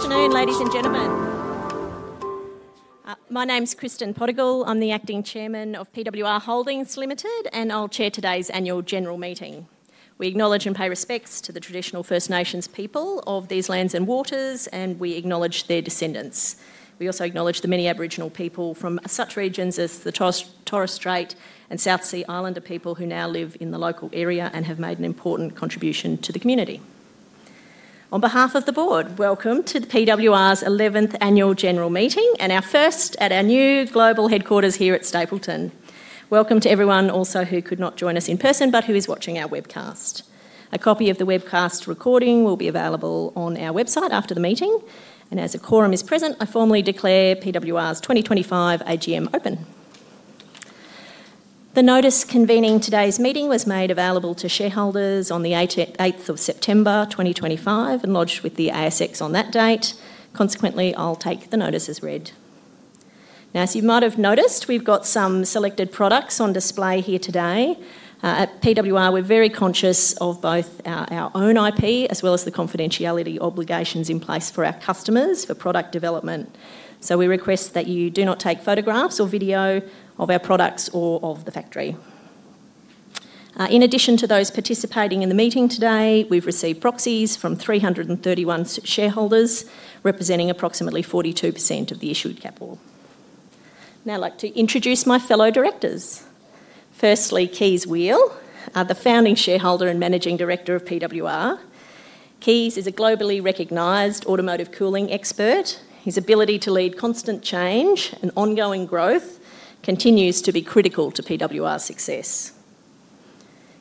Good afternoon, ladies and gentlemen. My name is Kristen Podagiel. I'm the Acting Chairman of PWR Holdings Limited, and I'll chair today's Annual General Meeting. We acknowledge and pay respects to the traditional First Nations people of these lands and waters, and we acknowledge their descendants. We also acknowledge the many Aboriginal people from such regions as the Torres Strait and South Sea Islander people who now live in the local area and have made an important contribution to the community. On behalf of the board, welcome to PWR's 11th annual general meeting and our first at our new global headquarters here at Stapylton. Welcome to everyone also who could not join us in person but who is watching our webcast. A copy of the webcast recording will be available on our website after the meeting, and as a quorum is present, I formally declare PWR's 2025 AGM open. The notice convening today's meeting was made available to shareholders on the 8th of September 2025 and lodged with the ASX on that date. Consequently, I'll take the notice as read. Now, as you might have noticed, we've got some selected products on display here today. At PWR, we're very conscious of both our own IP as well as the confidentiality obligations in place for our customers for product development. We request that you do not take photographs or video of our products or of the factory. In addition to those participating in the meeting today, we've received proxies from 331 shareholders representing approximately 42% of the issued capital. Now I'd like to introduce my fellow directors. Firstly, Kees Weel, the founding shareholder and Managing Director of PWR. Kees is a globally recognized automotive cooling expert. His ability to lead constant change and ongoing growth continues to be critical to PWR's success.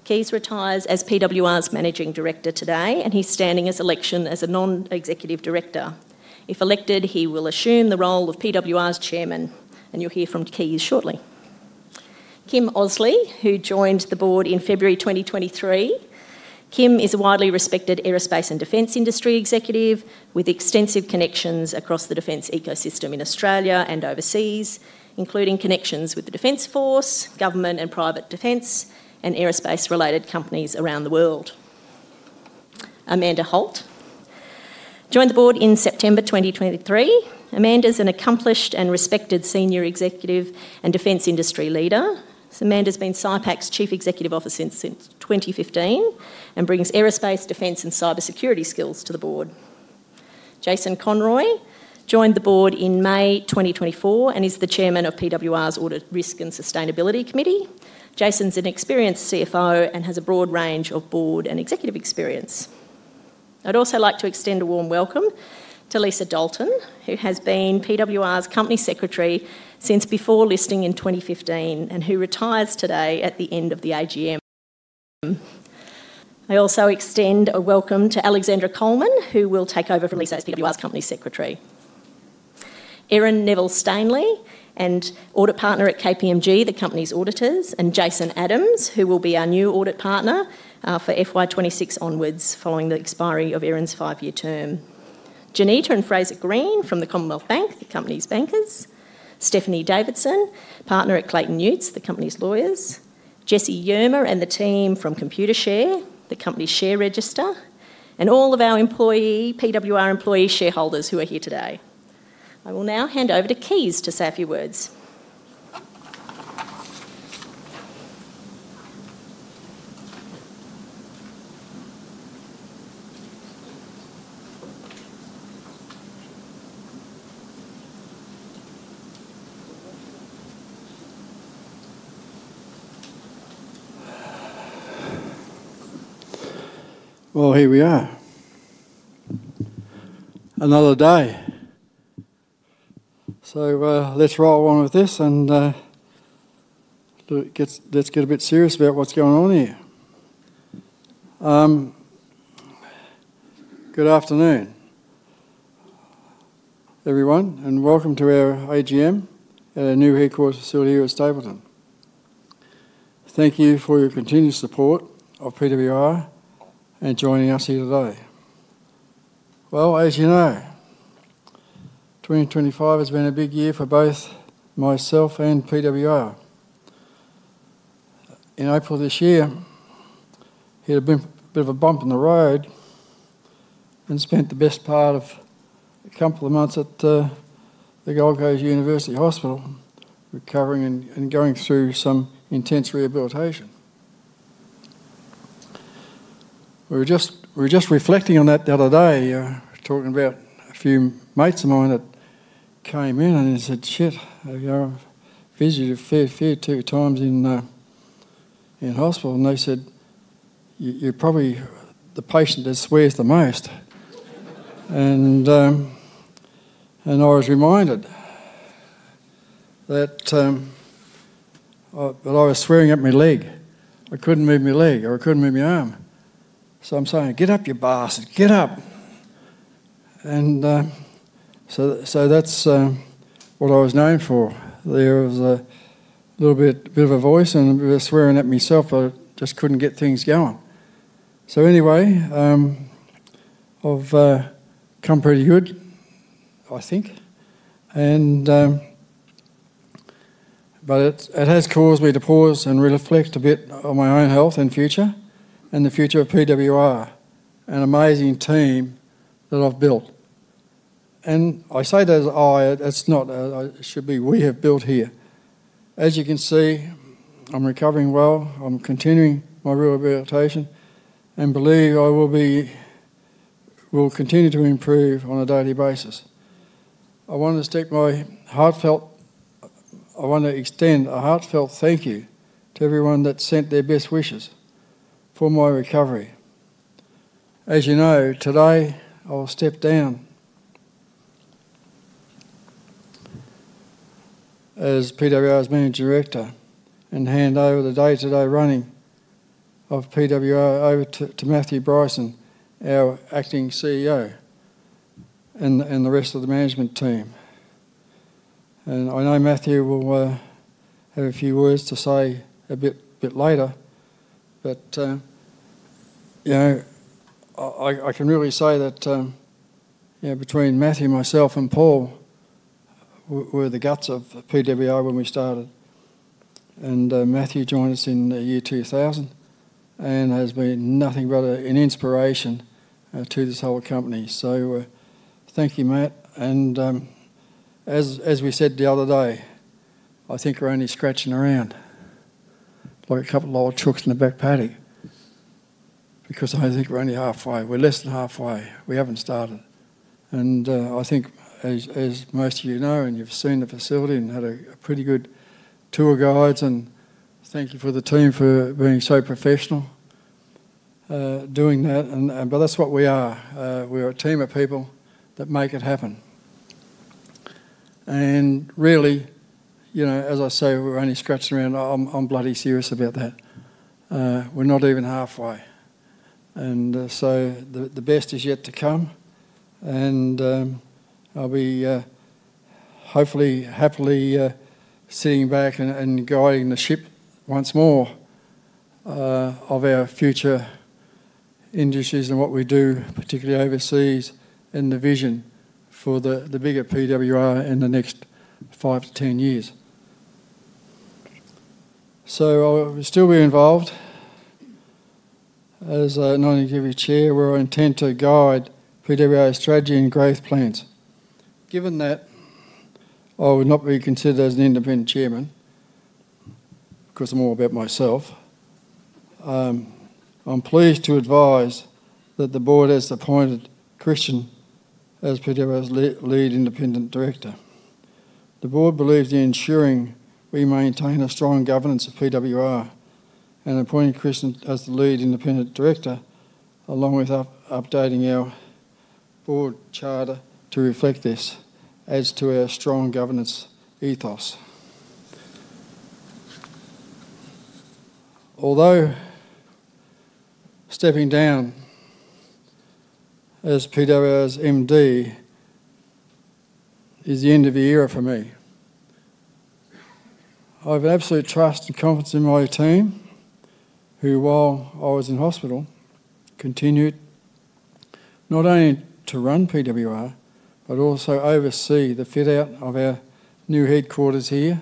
Kees retires as PWR's Managing Director today, and he's standing as election as a Non-Executive Director. If elected, he will assume the role of PWR's Chairman, and you'll hear from Kees shortly. Kym Osley, who joined the board in February 2023. Kym is a widely respected aerospace and defense industry executive with extensive connections across the defense ecosystem in Australia and overseas, including connections with the Defence Force, government and private defense, and aerospace-related companies around the world. Amanda Holt joined the board in September 2023. Amanda's an accomplished and respected Senior Executive and defense industry leader. Amanda's been SYPAQ's Chief Executive Officer since 2015 and brings aerospace, defense, and cybersecurity skills to the board. Jason Conroy joined the board in May 2024 and is the Chairman of PWR's Audit Risk and Sustainability Committee. Jason's an experienced CFO and has a broad range of board and executive experience. I'd also like to extend a warm welcome to Lisa Dalton, who has been PWR's Company Secretary since before listing in 2015 and who retires today at the end of the AGM. I also extend a welcome to Alexandra Coleman, who will take over from Lisa as PWR's Company Secretary. Erin Neville-Stanley, an audit partner at KPMG, the company's auditors, and Jason Adams, who will be our new audit partner for FY 2026 onwards following the expiry of Erin's five-year term. Janita and Fraser Green from the Commonwealth Bank, the company's bankers. Stephanie Davidson, partner at Clayton Utz, the company's lawyers. Jesse Yermer and the team from Computershare, the company's share register, and all of our PWR employee shareholders who are here today. I will now hand over to Kees to say a few words. Here we are. Another day. Let's roll on with this and get a bit serious about what's going on here. Good afternoon, everyone, and welcome to our AGM at our new headquarters facility here at Stapylton. Thank you for your continued support of PWR and joining us here today. As you know, 2025 has been a big year for both myself and PWR. In April of this year, it had been a bit of a bump in the road and I spent the best part of a couple of months at the Gold Coast University Hospital recovering and going through some intense rehabilitation. We were just reflecting on that the other day, talking about a few mates of mine that came in and said, "Shit, I visited a fair few times in the hospital," and they said, "You're probably the patient that swears the most." I was reminded that I was swearing up my leg. I couldn't move my leg or I couldn't move my arm. I'm saying, "Get up, you bastards. Get up." That's what I was known for. There was a little bit of a voice and a bit of swearing at myself. I just couldn't get things going. Anyway, I've come pretty good, I think. It has caused me to pause and reflect a bit on my own health and future and the future of PWR and the amazing team that I've built. I say there's I, it should be we have built here. As you can see, I'm recovering well. I'm continuing my rehabilitation and believe I will continue to improve on a daily basis. I want to extend a heartfelt thank you to everyone that sent their best wishes for my recovery. As you know, today, I'll step down as PWR's Managing Director and hand over the day-to-day running of PWR to Matthew Bryson, our Acting CEO, and the rest of the management team. I know Matthew will have a few words to say a bit later, but I can really say that between Matthew, myself, and Paul, we're the guts of PWR when we started. Matthew joined us in the year 2000 and has been nothing but an inspiration to this whole company. Thank you, Matt. As we said the other day, I think we're only scratching around, like a couple of old trucks in the back paddock because I think we're only halfway. We're less than halfway. We haven't started. As most of you know, and you've seen the facility and had a pretty good tour guide, thank you for the team for being so professional doing that. That's what we are. We're a team of people that make it happen. Really, you know, as I say, we're only scratching around. I'm bloody serious about that. We're not even halfway, and the best is yet to come. I'll be hopefully, happily sitting back and guiding the ship once more of our future industries and what we do, particularly overseas, and the vision for the bigger PWR in the next five to 10 years. I'll still be involved as an Honorary Chair, where I intend to guide PWR's strategy and growth plans. Given that I will not be considered as an independent Chairman, because I'm all about myself, I'm pleased to advise that the board has appointed Christian as PWR's Lead Independent Director. The board believes in ensuring we maintain a strong governance of PWR, and appointing Christian as the Lead Independent Director, along with updating our board charter to reflect this, adds to our strong governance ethos. Although stepping down as PWR's MD is the end of the era for me, I have absolute trust and confidence in my team, who, while I was in hospital, continued not only to run PWR but also oversee the fit-out of our new headquarters here.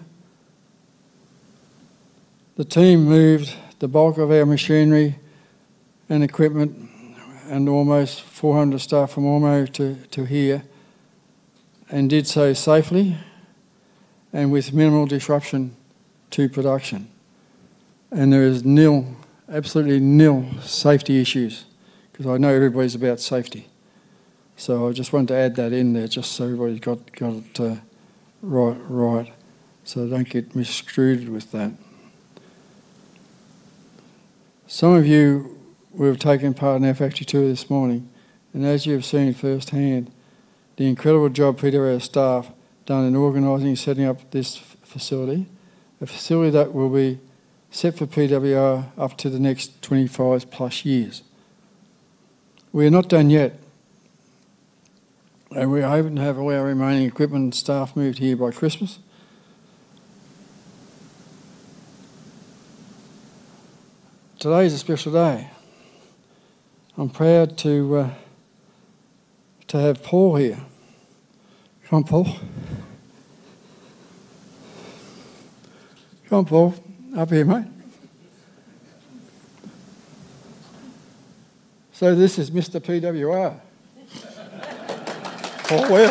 The team moved the bulk of our machinery and equipment and almost 400 staff from Almo to here and did so safely and with minimal disruption to production. There is absolutely nil safety issues because I know everybody's about safety. I just wanted to add that in there just so everybody's got it right. Don't get misconstrued with that. Some of you will have taken part in our factory tour this morning, and as you've seen firsthand, the incredible job PWR staff done in organizing, setting up this facility, a facility that will be set for PWR up to the next 25+ years. We are not done yet, and we are hoping to have all our remaining equipment and staff moved here by Christmas. Today is a special day. I'm proud to have Paul here. Come on, Paul. Come on, Paul. Up here, mate. This is Mr. PWR, Paul Weir.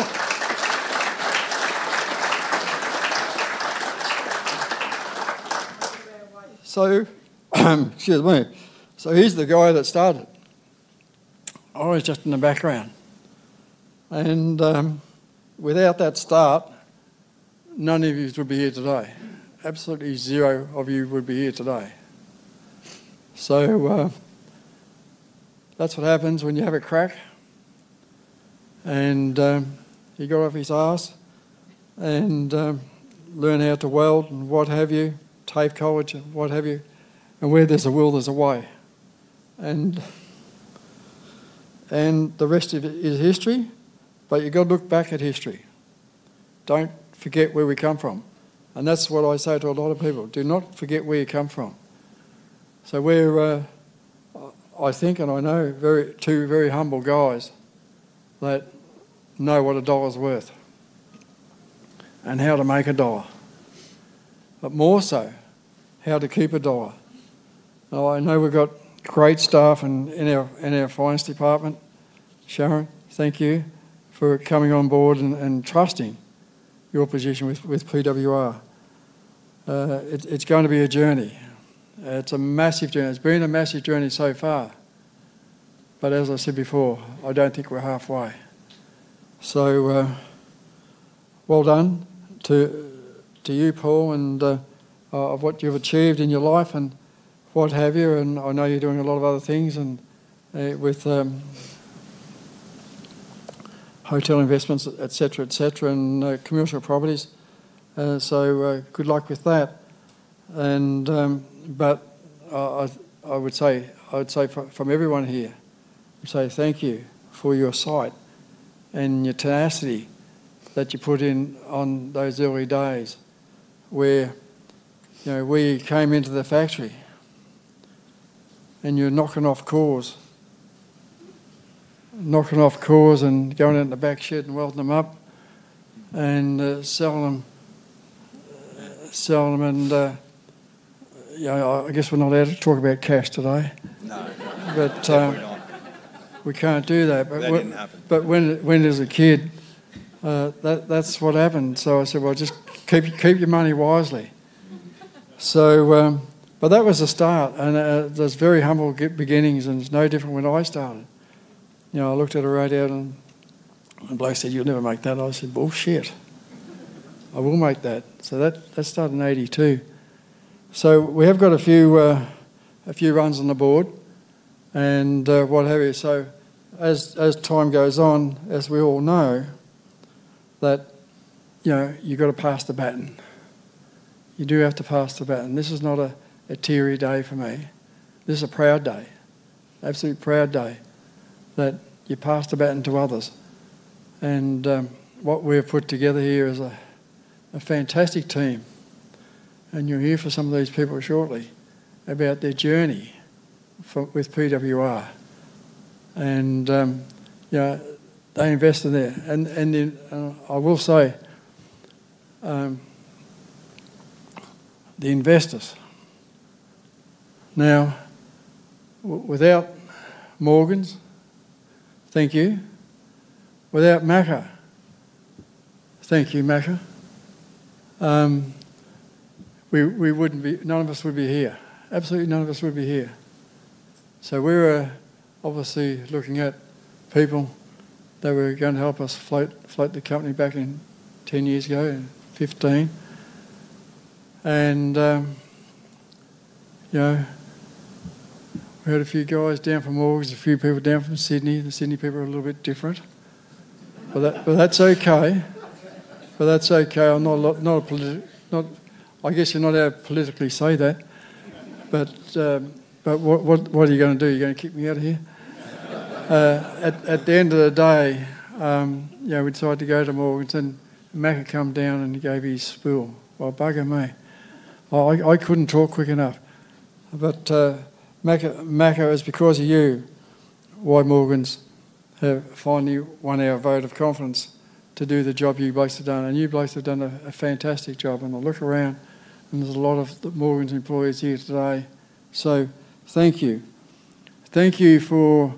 Excuse me. He's the guy that started. I was just in the background, and without that start, none of you would be here today. Absolutely zero of you would be here today. That's what happens when you have a crack. He got off his arse and learned how to weld and what have you, tape college and what have you, and where there's a will, there's a way. The rest is history, but you've got to look back at history. Don't forget where we come from, and that's what I say to a lot of people. Do not forget where you come from. I think, and I know, two very humble guys that know what a dollar's worth and how to make a dollar, but more so how to keep a dollar. I know we've got great staff in our Finance Department. Sharyn, thank you for coming on board and trusting your position with PWR. It's going to be a journey. It's a massive journey. It's been a massive journey so far. As I said before, I don't think we're halfway. Well done to you, Paul, and of what you've achieved in your life and what have you. I know you're doing a lot of other things with hotel investments, etc., etc., and commercial properties. Good luck with that. I would say from everyone here, thank you for your sight and your tenacity that you put in on those early days where we came into the factory and you're knocking off cores, knocking off cores and going out in the back shed and welding them up and selling them. I guess we're not allowed to talk about cash today. No, no. We can't do that. Anything happens. But when as a kid, that's what happened. I said, just keep your money wisely. That was a start. Those very humble beginnings, and it's no different when I started. I looked at a radio, and Blake said, "You'll never make that." I said, "Well, shit, I will make that." That started in 1982. We have got a few runs on the board and what have you. As time goes on, as we all know, you've got to pass the baton. You do have to pass the baton. This is not a teary day for me. This is a proud day, absolutely proud day that you pass the baton to others. What we've put together here is a fantastic team. You'll hear from some of these people shortly about their journey with PWR. They invest in there. I will say the investors. Now, without Morgan's, thank you. Without MAC, thank you, MAC. None of us would be here. Absolutely none of us would be here. We're obviously looking at people that were going to help us float the company back in 10 years ago, in 2015. We had a few guys down from Morgan's, a few people down from Sydney. The Sydney people are a little bit different. That's okay. I'm not a political... I guess you're not allowed to politically say that. What are you going to do? You're going to kick me out of here? At the end of the day, we decided to go to Morgan's, and MAC came down and gave you a spoon. Bugger me. I couldn't talk quick enough. MAC, it's because of you, why Morgan's have finally won our vote of confidence to do the job you both have done. You both have done a fantastic job. I look around, and there's a lot of Morgan's employees here today. Thank you. Thank you for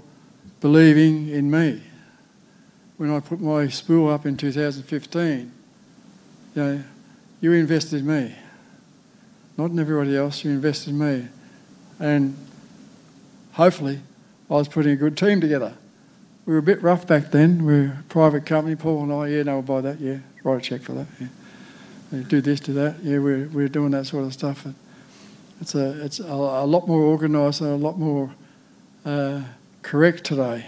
believing in me when I put my spoon up in 2015. You invested in me. Not in everybody else. You invested in me. Hopefully, I was putting a good team together. We were a bit rough back then. We were a private company. Paul and I, yeah, I know about that. Yeah, write a check for that. Yeah, do this, do that. Yeah, we're doing that sort of stuff. It's a lot more organized and a lot more correct today.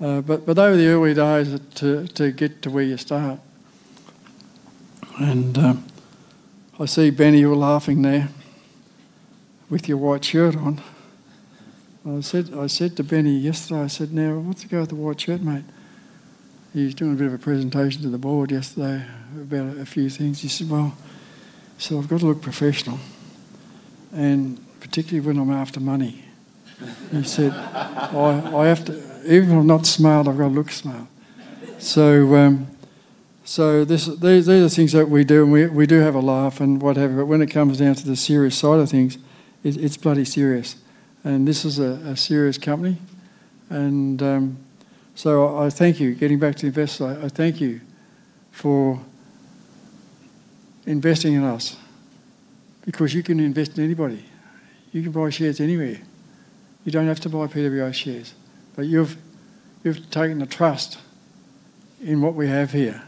Those were the early days to get to where you start. I see Benny you're laughing there with your white shirt on. I said to Benny yesterday, I said, "Now, what's the goal with the white shirt, mate?" He was doing a bit of a presentation to the board yesterday about a few things. He said, "I've got to look professional, and particularly when I'm after money." He said, "I have to, even when I'm not smart, I've got to look smart." These are the things that we do, and we do have a laugh and what have you. When it comes down to the serious side of things, it's bloody serious. This is a serious company. I thank you. Getting back to investors, I thank you for investing in us because you can invest in anybody. You can buy shares anywhere. You don't have to buy PWR shares. You've taken a trust in what we have here,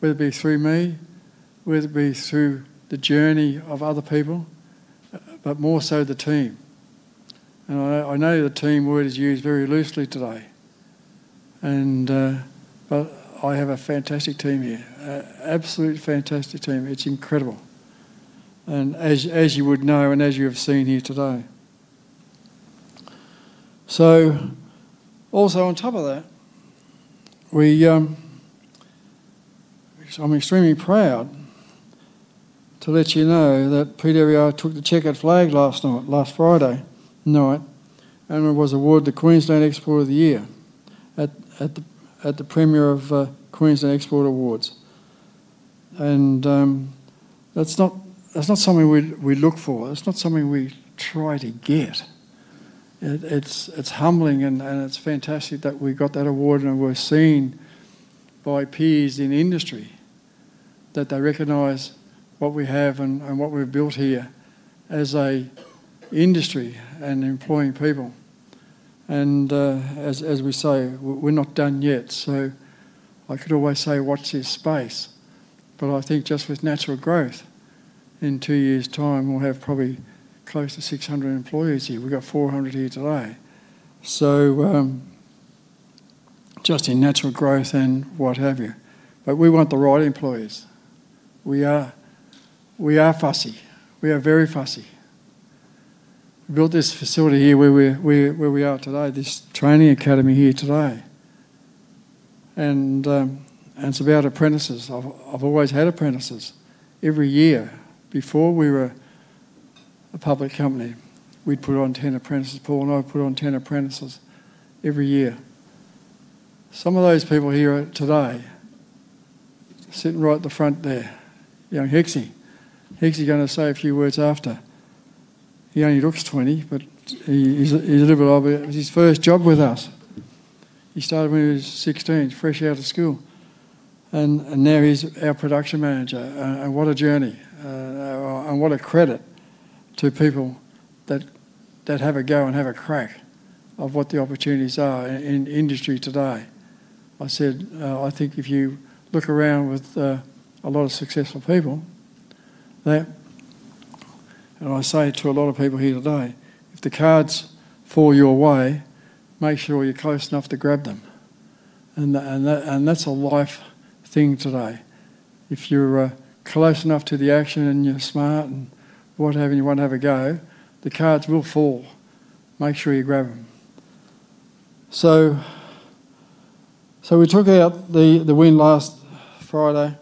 whether it be through me, whether it be through the journey of other people, but more so the team. I know the team word is used very loosely today. I have a fantastic team here, an absolutely fantastic team. It's incredible, as you would know and as you have seen here today. Also, on top of that, I'm extremely proud to let you know that PWR took the checkered flag last Friday night, and it was awarded the Queensland Export of the Year at the Premier of Queensland Export Awards. That's not something we look for. That's not something we try to get. It's humbling, and it's fantastic that we got that award, and we're seen by peers in industry that they recognize what we have and what we've built here as an industry and employing people. As we say, we're not done yet. I could always say, "Watch this space." I think just with natural growth, in two years' time, we'll have probably close to 600 employees here. We've got 400 here today. Just in natural growth and what have you. We want the right employees. We are fussy. We are very fussy. We built this facility here where we are today, this training academy here today. It's about apprentices. I've always had apprentices. Every year, before we were a public company, we'd put on 10 apprentices. Paul and I would put on 10 apprentices every year. Some of those people here today sit right at the front there. Young Hixie. Hixie is going to say a few words after. He only looks 20, but he's a little bit old. It was his first job with us. He started when he was 16, fresh out of school. Now he's our Production Manager. What a journey. What a credit to people that have a go and have a crack at what the opportunities are in industry today. I said, I think if you look around with a lot of successful people, and I say to a lot of people here today, if the cards fall your way, make sure you're close enough to grab them. That's a life thing today. If you're close enough to the action and you're smart and what have you and you want to have a go, the cards will fall. Make sure you grab them. We took out the win last Friday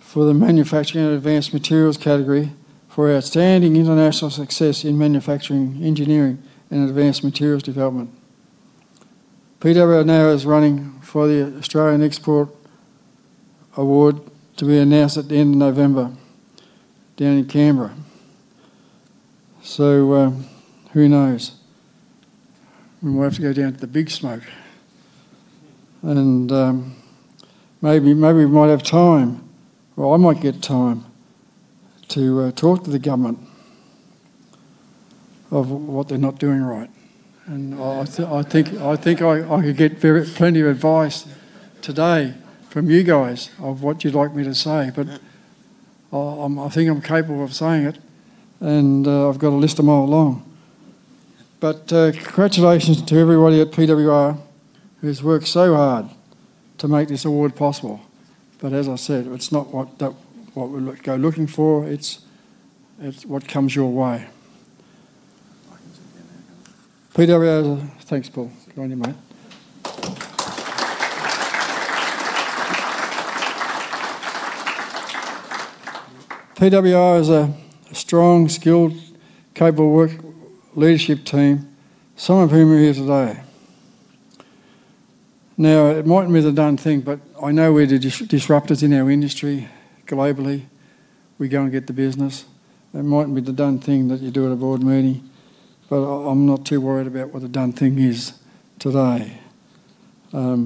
for the manufacturing and advanced materials category for outstanding international success in manufacturing, engineering, and advanced materials development. PWR now is running for the Australian Export Award to be announced at the end of November down in Canberra. Who knows? We might have to go down to the big smoke. Maybe we might have time. I might get time to talk to the government about what they're not doing right. I think I could get plenty of advice today from you guys about what you'd like me to say. I think I'm capable of saying it. I've got a list of them all along. Congratulations to everybody at PWR who's worked so hard to make this award possible. As I said, it's not what we go looking for. It's what comes your way. PWR is a... Thanks, Paul. Go on, your mate. PWR is a strong, skilled, capable work leadership team, some of whom are here today. It might not be the done thing, but I know we're the disruptors in our industry globally. We're going to get the business. It might not be the done thing that you do at a board meeting, but I'm not too worried about what the done thing is today. I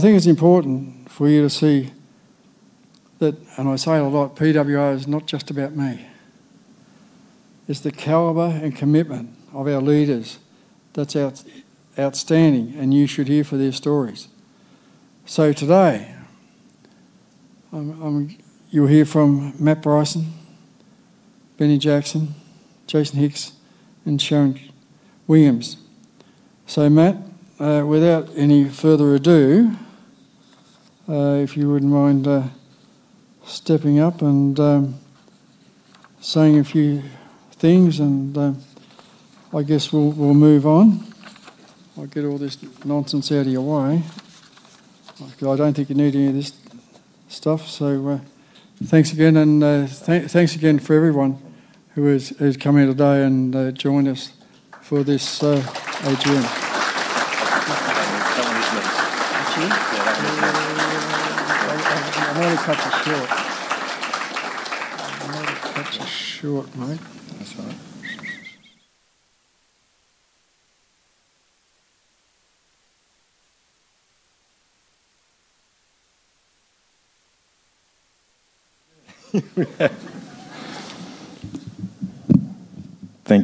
think it's important for you to see that, and I say it a lot, PWR is not just about me. It's the caliber and commitment of our leaders that's outstanding, and you should hear their stories. Today, you'll hear from Matt Bryson, Benny Jackson, Jason Hicks, and Sharyn Williams. Matt, without any further ado, if you wouldn't mind stepping up and saying a few things, I guess we'll move on. I'll get all this nonsense out of your way. I don't think you need any of this stuff. Thanks again, and thanks again for everyone who has come in today and joined us for this AGM. I'm going to tell you some of his notes. Actually? Yeah, that'll be great. I'm only cut too short, mate. That's all right. Thank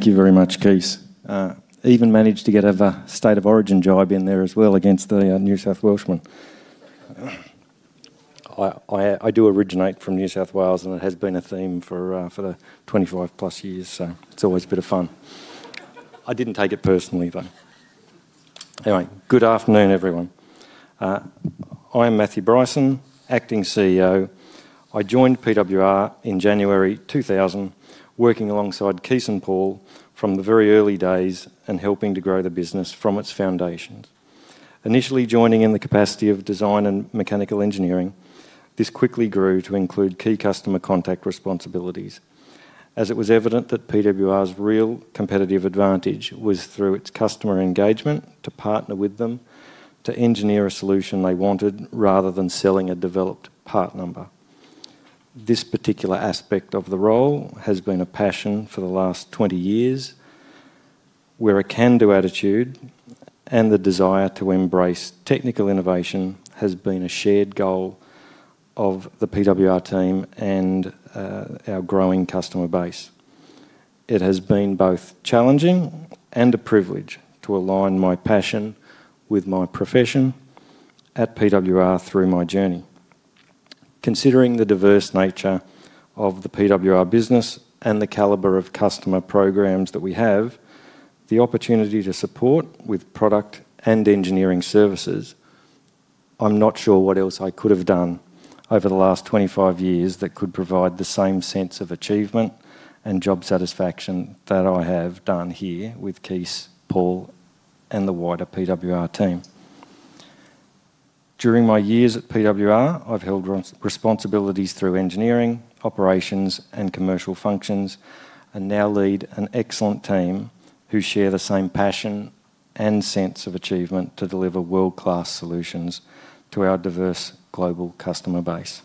you very much, Kees. Even managed to get a State of Origin job in there as well against the New South Welshman. I do originate from New South Wales, and it has been a theme for 25+ years, so it's always a bit of fun. I didn't take it personally, though. Anyway, good afternoon, everyone. I am Matthew Bryson, Acting CEO. I joined PWR in January 2000, working alongside Kees and Paul from the very early days and helping to grow the business from its foundations. Initially joining in the capacity of design and mechanical engineering, this quickly grew to include key customer contact responsibilities, as it was evident that PWR's real competitive advantage was through its customer engagement to partner with them to engineer a solution they wanted rather than selling a developed part number. This particular aspect of the role has been a passion for the last 20 years, where a can-do attitude and the desire to embrace technical innovation has been a shared goal of the PWR team and our growing customer base. It has been both challenging and a privilege to align my passion with my profession at PWR through my journey. Considering the diverse nature of the PWR business and the caliber of customer programs that we have, the opportunity to support with product and engineering services, I'm not sure what else I could have done over the last 25 years that could provide the same sense of achievement and job satisfaction that I have done here with Kees, Paul, and the wider PWR team. During my years at PWR, I've held responsibilities through engineering, operations, and commercial functions, and now lead an excellent team who share the same passion and sense of achievement to deliver world-class solutions to our diverse global customer base.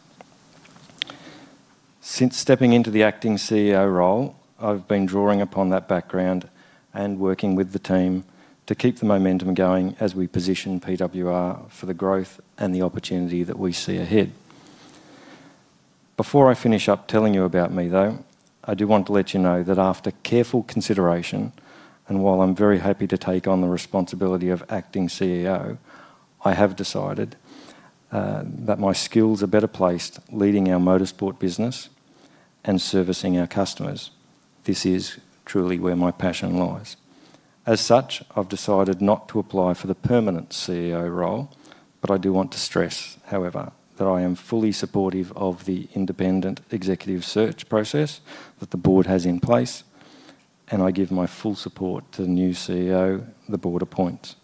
Since stepping into the Acting CEO role, I've been drawing upon that background and working with the team to keep the momentum going as we position PWR for the growth and the opportunity that we see ahead. Before I finish up telling you about me, though, I do want to let you know that after careful consideration, and while I'm very happy to take on the responsibility of Acting CEO, I have decided that my skills are better placed leading our motorsport business and servicing our customers. This is truly where my passion lies. As such, I've decided not to apply for the permanent CEO role, but I do want to stress, however, that I am fully supportive of the independent executive search process that the board has in place, and I give my full support to the new CEO the board appoints.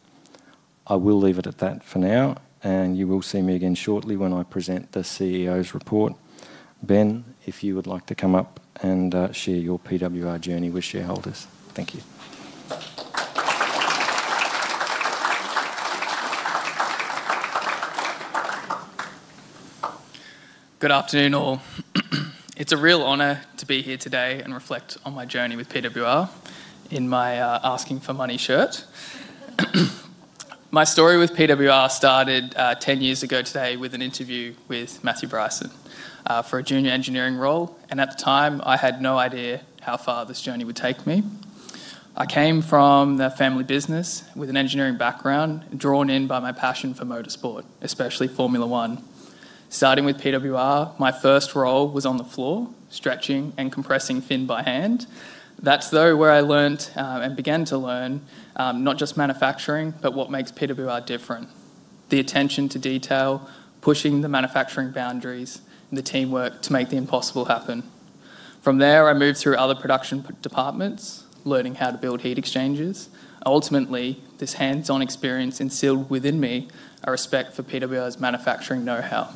I will leave it at that for now, and you will see me again shortly when I present the CEO's report. Ben, if you would like to come up and share your PWR journey with shareholders. Thank you. Good afternoon, all. It's a real honor to be here today and reflect on my journey with PWR in my asking for money shirt. My story with PWR started 10 years ago today with an interview with Matthew Bryson for a junior engineering role, and at the time, I had no idea how far this journey would take me. I came from a family business with an engineering background, drawn in by my passion for motorsport, especially Formula 1. Starting with PWR, my first role was on the floor, stretching and compressing fin by hand. That's where I learned and began to learn not just manufacturing, but what makes PWR different. The attention to detail, pushing the manufacturing boundaries, and the teamwork to make the impossible happen. From there, I moved through other production departments, learning how to build heat exchangers, and ultimately, this hands-on experience instilled within me a respect for PWR's manufacturing know-how.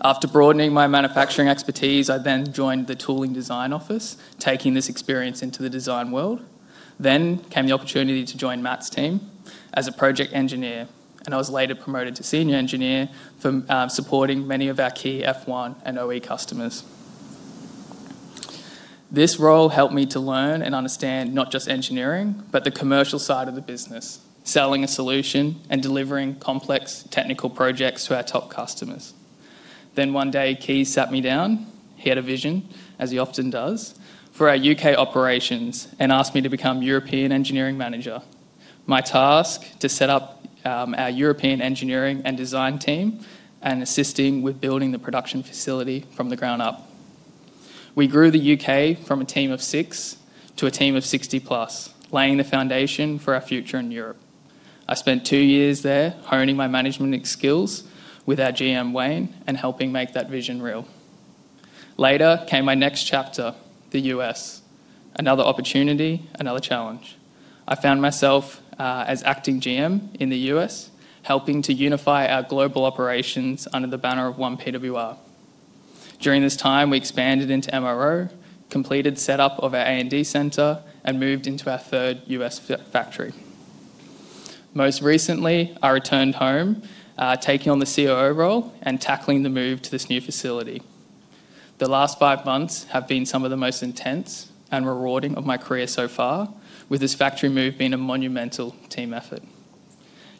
After broadening my manufacturing expertise, I then joined the tooling design office, taking this experience into the design world. There came the opportunity to join Matt's team as a Project Engineer, and I was later promoted to Senior Engineer for supporting many of our key F1 and OEM customers. This role helped me to learn and understand not just engineering, but the commercial side of the business, selling a solution and delivering complex technical projects to our top customers. One day, Kees sat me down. He had a vision, as he often does, for our U.K. operations and asked me to become European Engineering Manager. My task was to set up our European Engineering and Design Team and assist with building the production facility from the ground up. We grew the U.K. from a team of six to a team of 60+, laying the foundation for our future in Europe. I spent two years there honing my management skills with our GM Wayne and helping make that vision real. Later came my next chapter, the U.S. Another opportunity, another challenge. I found myself as acting GM in the U.S., helping to unify our global operations under the banner of One PWR. During this time, we expanded into MRO, completed the setup of our A&D center, and moved into our third U.S. factory. Most recently, I returned home, taking on the COO role and tackling the move to this new facility. The last five months have been some of the most intense and rewarding of my career so far, with this factory move being a monumental team effort.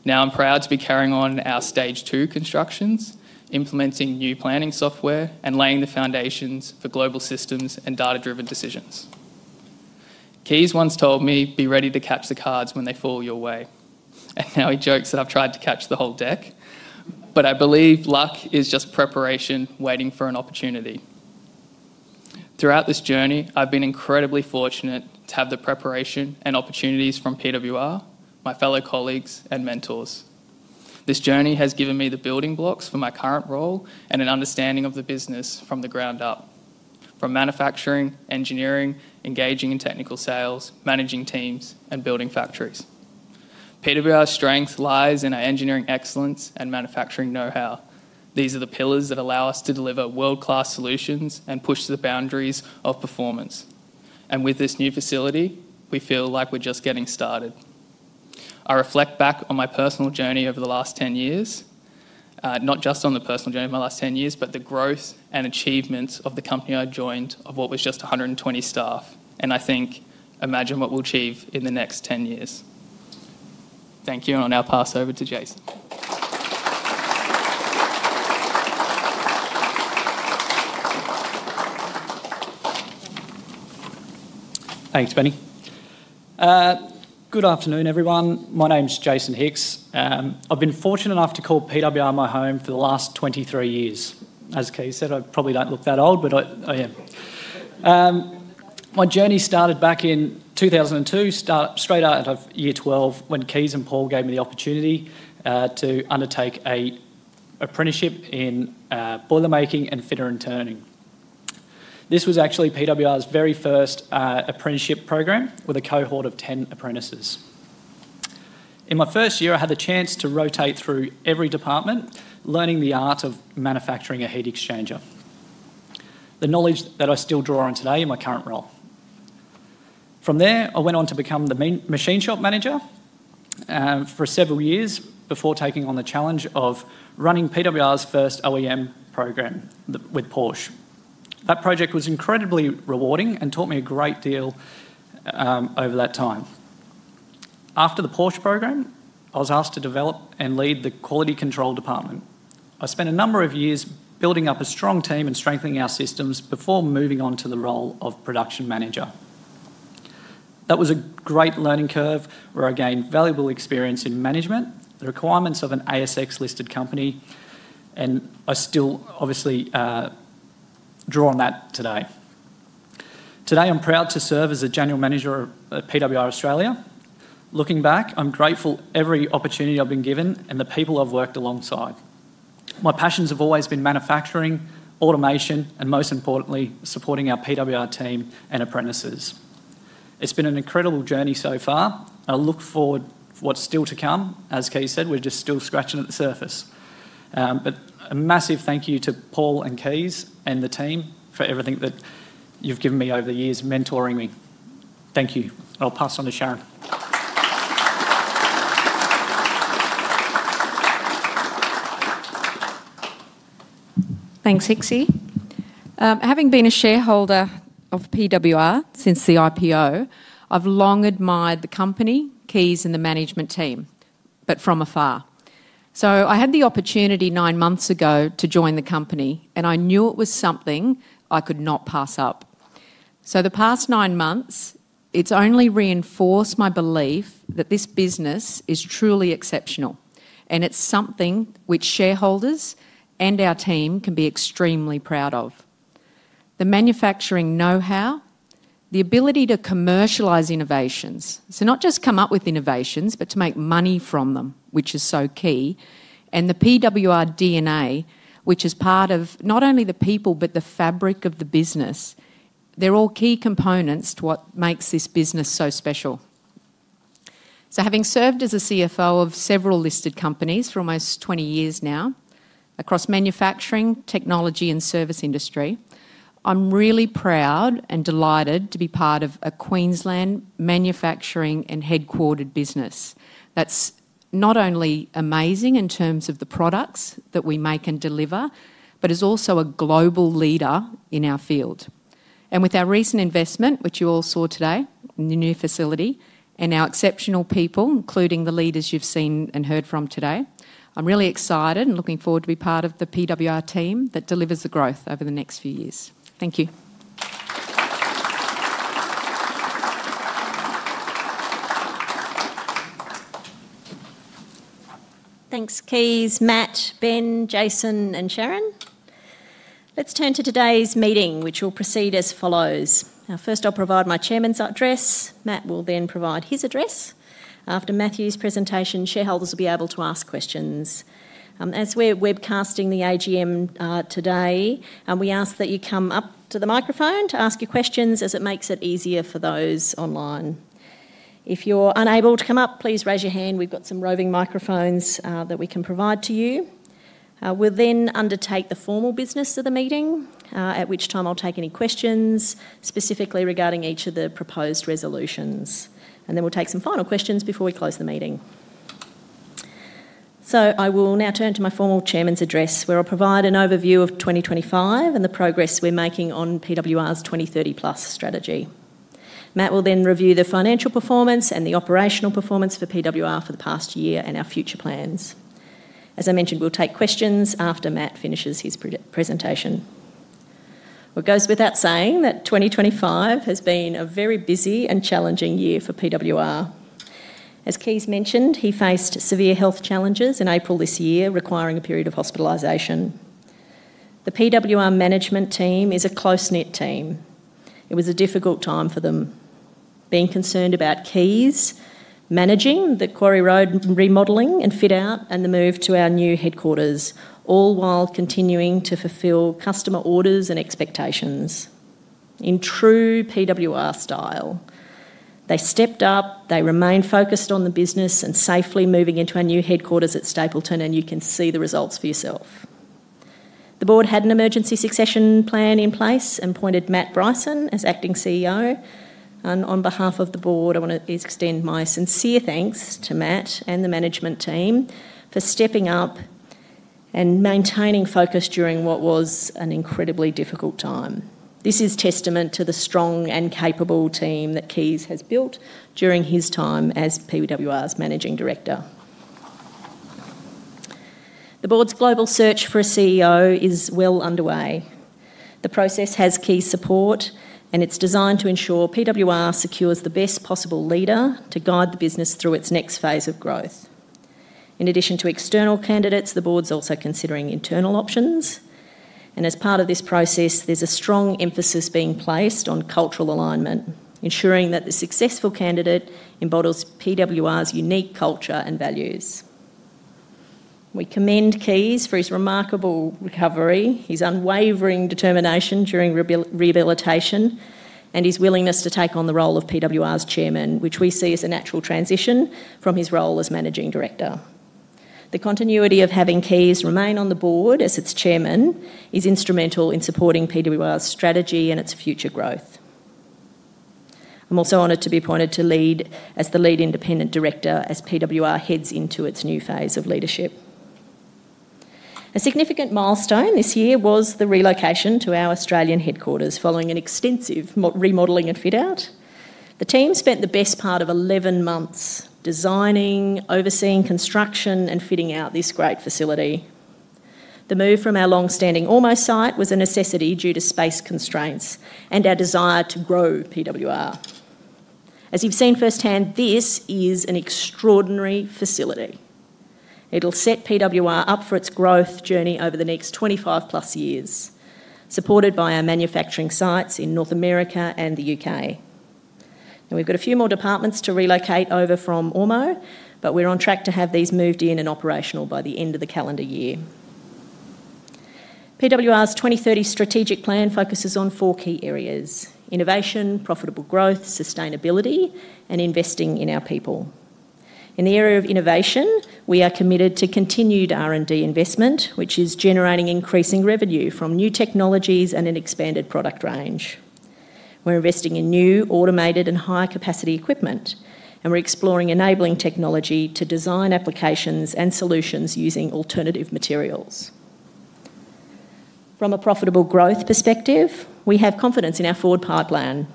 Now I'm proud to be carrying on our stage two constructions, implementing new planning software, and laying the foundations for global systems and data-driven decisions. Kees once told me, "Be ready to catch the cards when they fall your way." He jokes that I've tried to catch the whole deck, but I believe luck is just preparation waiting for an opportunity. Throughout this journey, I've been incredibly fortunate to have the preparation and opportunities from PWR, my fellow colleagues, and mentors. This journey has given me the building blocks for my current role and an understanding of the business from the ground up, from manufacturing, engineering, engaging in technical sales, managing teams, and building factories. PWR's strength lies in our engineering excellence and manufacturing know-how. These are the pillars that allow us to deliver world-class solutions and push the boundaries of performance. With this new facility, we feel like we're just getting started. I reflect back on my personal journey over the last 10 years, not just on the personal journey of my last 10 years, but the growth and achievements of the company I joined of what was just 120 staff. I think, imagine what we'll achieve in the next 10 years. Thank you, and I'll now pass over to Jason. Thanks, Benny. Good afternoon, everyone. My name's Jason Hicks. I've been fortunate enough to call PWR my home for the last 23 years. As Kees said, I probably don't look that old, but I am. My journey started back in 2002, straight out of year 12, when Kees and Paul gave me the opportunity to undertake an apprenticeship in boiler making and fitter and turning. This was actually PWR's very first apprenticeship program with a cohort of 10 apprentices. In my first year, I had the chance to rotate through every department, learning the art of manufacturing a heat exchanger, the knowledge that I still draw on today in my current role. From there, I went on to become the machine shop manager for several years before taking on the challenge of running PWR's first OEM program with Porsche. That project was incredibly rewarding and taught me a great deal over that time. After the Porsche program, I was asked to develop and lead the quality control department. I spent a number of years building up a strong team and strengthening our systems before moving on to the role of Production Manager. That was a great learning curve where I gained valuable experience in management, the requirements of an ASX-listed company, and I still obviously draw on that today. Today, I'm proud to serve as a General Manager of PWR Australia. Looking back, I'm grateful for every opportunity I've been given and the people I've worked alongside. My passions have always been manufacturing, automation, and most importantly, supporting our PWR team and apprentices. It's been an incredible journey so far. I look forward to what's still to come. As Kees said, we're just still scratching at the surface. A massive thank you to Paul and Kees and the team for everything that you've given me over the years, mentoring me. Thank you. I'll pass on to Sharyn. Thanks, Hixie. Having been a shareholder of PWR since the IPO, I've long admired the company, Kees, and the management team, but from afar. I had the opportunity nine months ago to join the company, and I knew it was something I could not pass up. The past nine months, it's only reinforced my belief that this business is truly exceptional, and it's something which shareholders and our team can be extremely proud of. The manufacturing know-how, the ability to commercialize innovations, not just come up with innovations, but to make money from them, which is so key, and the PWR DNA, which is part of not only the people but the fabric of the business, they're all key components to what makes this business so special. Having served as a CFO of several listed companies for almost 20 years now, across manufacturing, technology, and service industry, I'm really proud and delighted to be part of a Queensland manufacturing and headquartered business that's not only amazing in terms of the products that we make and deliver, but is also a global leader in our field. With our recent investment, which you all saw today in the new facility, and our exceptional people, including the leaders you've seen and heard from today, I'm really excited and looking forward to be part of the PWR team that delivers the growth over the next few years. Thank you. Thanks, Kees, Matt, Ben, Jason, and Sharyn. Let's turn to today's meeting, which will proceed as follows. First, I'll provide my Chairman's address. Matt will then provide his address. After Matthew's presentation, shareholders will be able to ask questions. As we're webcasting the AGM today, we ask that you come up to the microphone to ask your questions as it makes it easier for those online. If you're unable to come up, please raise your hand. We've got some roving microphones that we can provide to you. We'll then undertake the formal business of the meeting, at which time I'll take any questions specifically regarding each of the proposed resolutions. We'll take some final questions before we close the meeting. I will now turn to my formal Chairman's address, where I'll provide an overview of 2025 and the progress we're making on PWR's 2030+ strategy. Matt will then review the financial performance and the operational performance for PWR for the past year and our future plans. As I mentioned, we'll take questions after Matt finishes his presentation. It goes without saying that 2025 has been a very busy and challenging year for PWR. As Kees mentioned, he faced severe health challenges in April this year, requiring a period of hospitalization. The PWR management team is a close-knit team. It was a difficult time for them, being concerned about Kees managing the Quarry Road remodeling and fit-out and the move to our new headquarters, all while continuing to fulfill customer orders and expectations. In true PWR style, they stepped up, they remained focused on the business and safely moving into our new headquarters at Stapylton, and you can see the results for yourself. The board had an emergency succession plan in place and appointed Matt Bryson as Acting CEO. On behalf of the board, I want to extend my sincere thanks to Matt and the management team for stepping up and maintaining focus during what was an incredibly difficult time. This is testament to the strong and capable team that Kees has built during his time as PWR's Managing Director. The board's global search for a CEO is well underway. The process has Kees' support, and it's designed to ensure PWR secures the best possible leader to guide the business through its next phase of growth. In addition to external candidates, the board's also considering internal options. As part of this process, there's a strong emphasis being placed on cultural alignment, ensuring that the successful candidate embodies PWR's unique culture and values. We commend Kees for his remarkable recovery, his unwavering determination during rehabilitation, and his willingness to take on the role of PWR's Chairman, which we see as a natural transition from his role as Managing Director. The continuity of having Kees remain on the board as its Chairman is instrumental in supporting PWR's strategy and its future growth. I'm also honored to be appointed to lead as the Lead Independent Director as PWR heads into its new phase of leadership. A significant milestone this year was the relocation to our Australian headquarters following an extensive remodeling and fit-out. The team spent the best part of 11 months designing, overseeing construction, and fitting out this great facility. The move from our long-standing Almo site was a necessity due to space constraints and our desire to grow PWR. As you've seen firsthand, this is an extraordinary facility. It'll set PWR up for its growth journey over the next 25+ years, supported by our manufacturing sites in North America and the U.K. We've got a few more departments to relocate over from Almo, but we're on track to have these moved in and operational by the end of the calendar year. PWR's 2030 strategic plan focuses on four key areas: innovation, profitable growth, sustainability, and investing in our people. In the area of innovation, we are committed to continued R&D investment, which is generating increasing revenue from new technologies and an expanded product range. We're investing in new automated and high-capacity equipment, and we're exploring enabling technology to design applications and solutions using alternative materials. From a profitable growth perspective, we have confidence in our forward pipeline.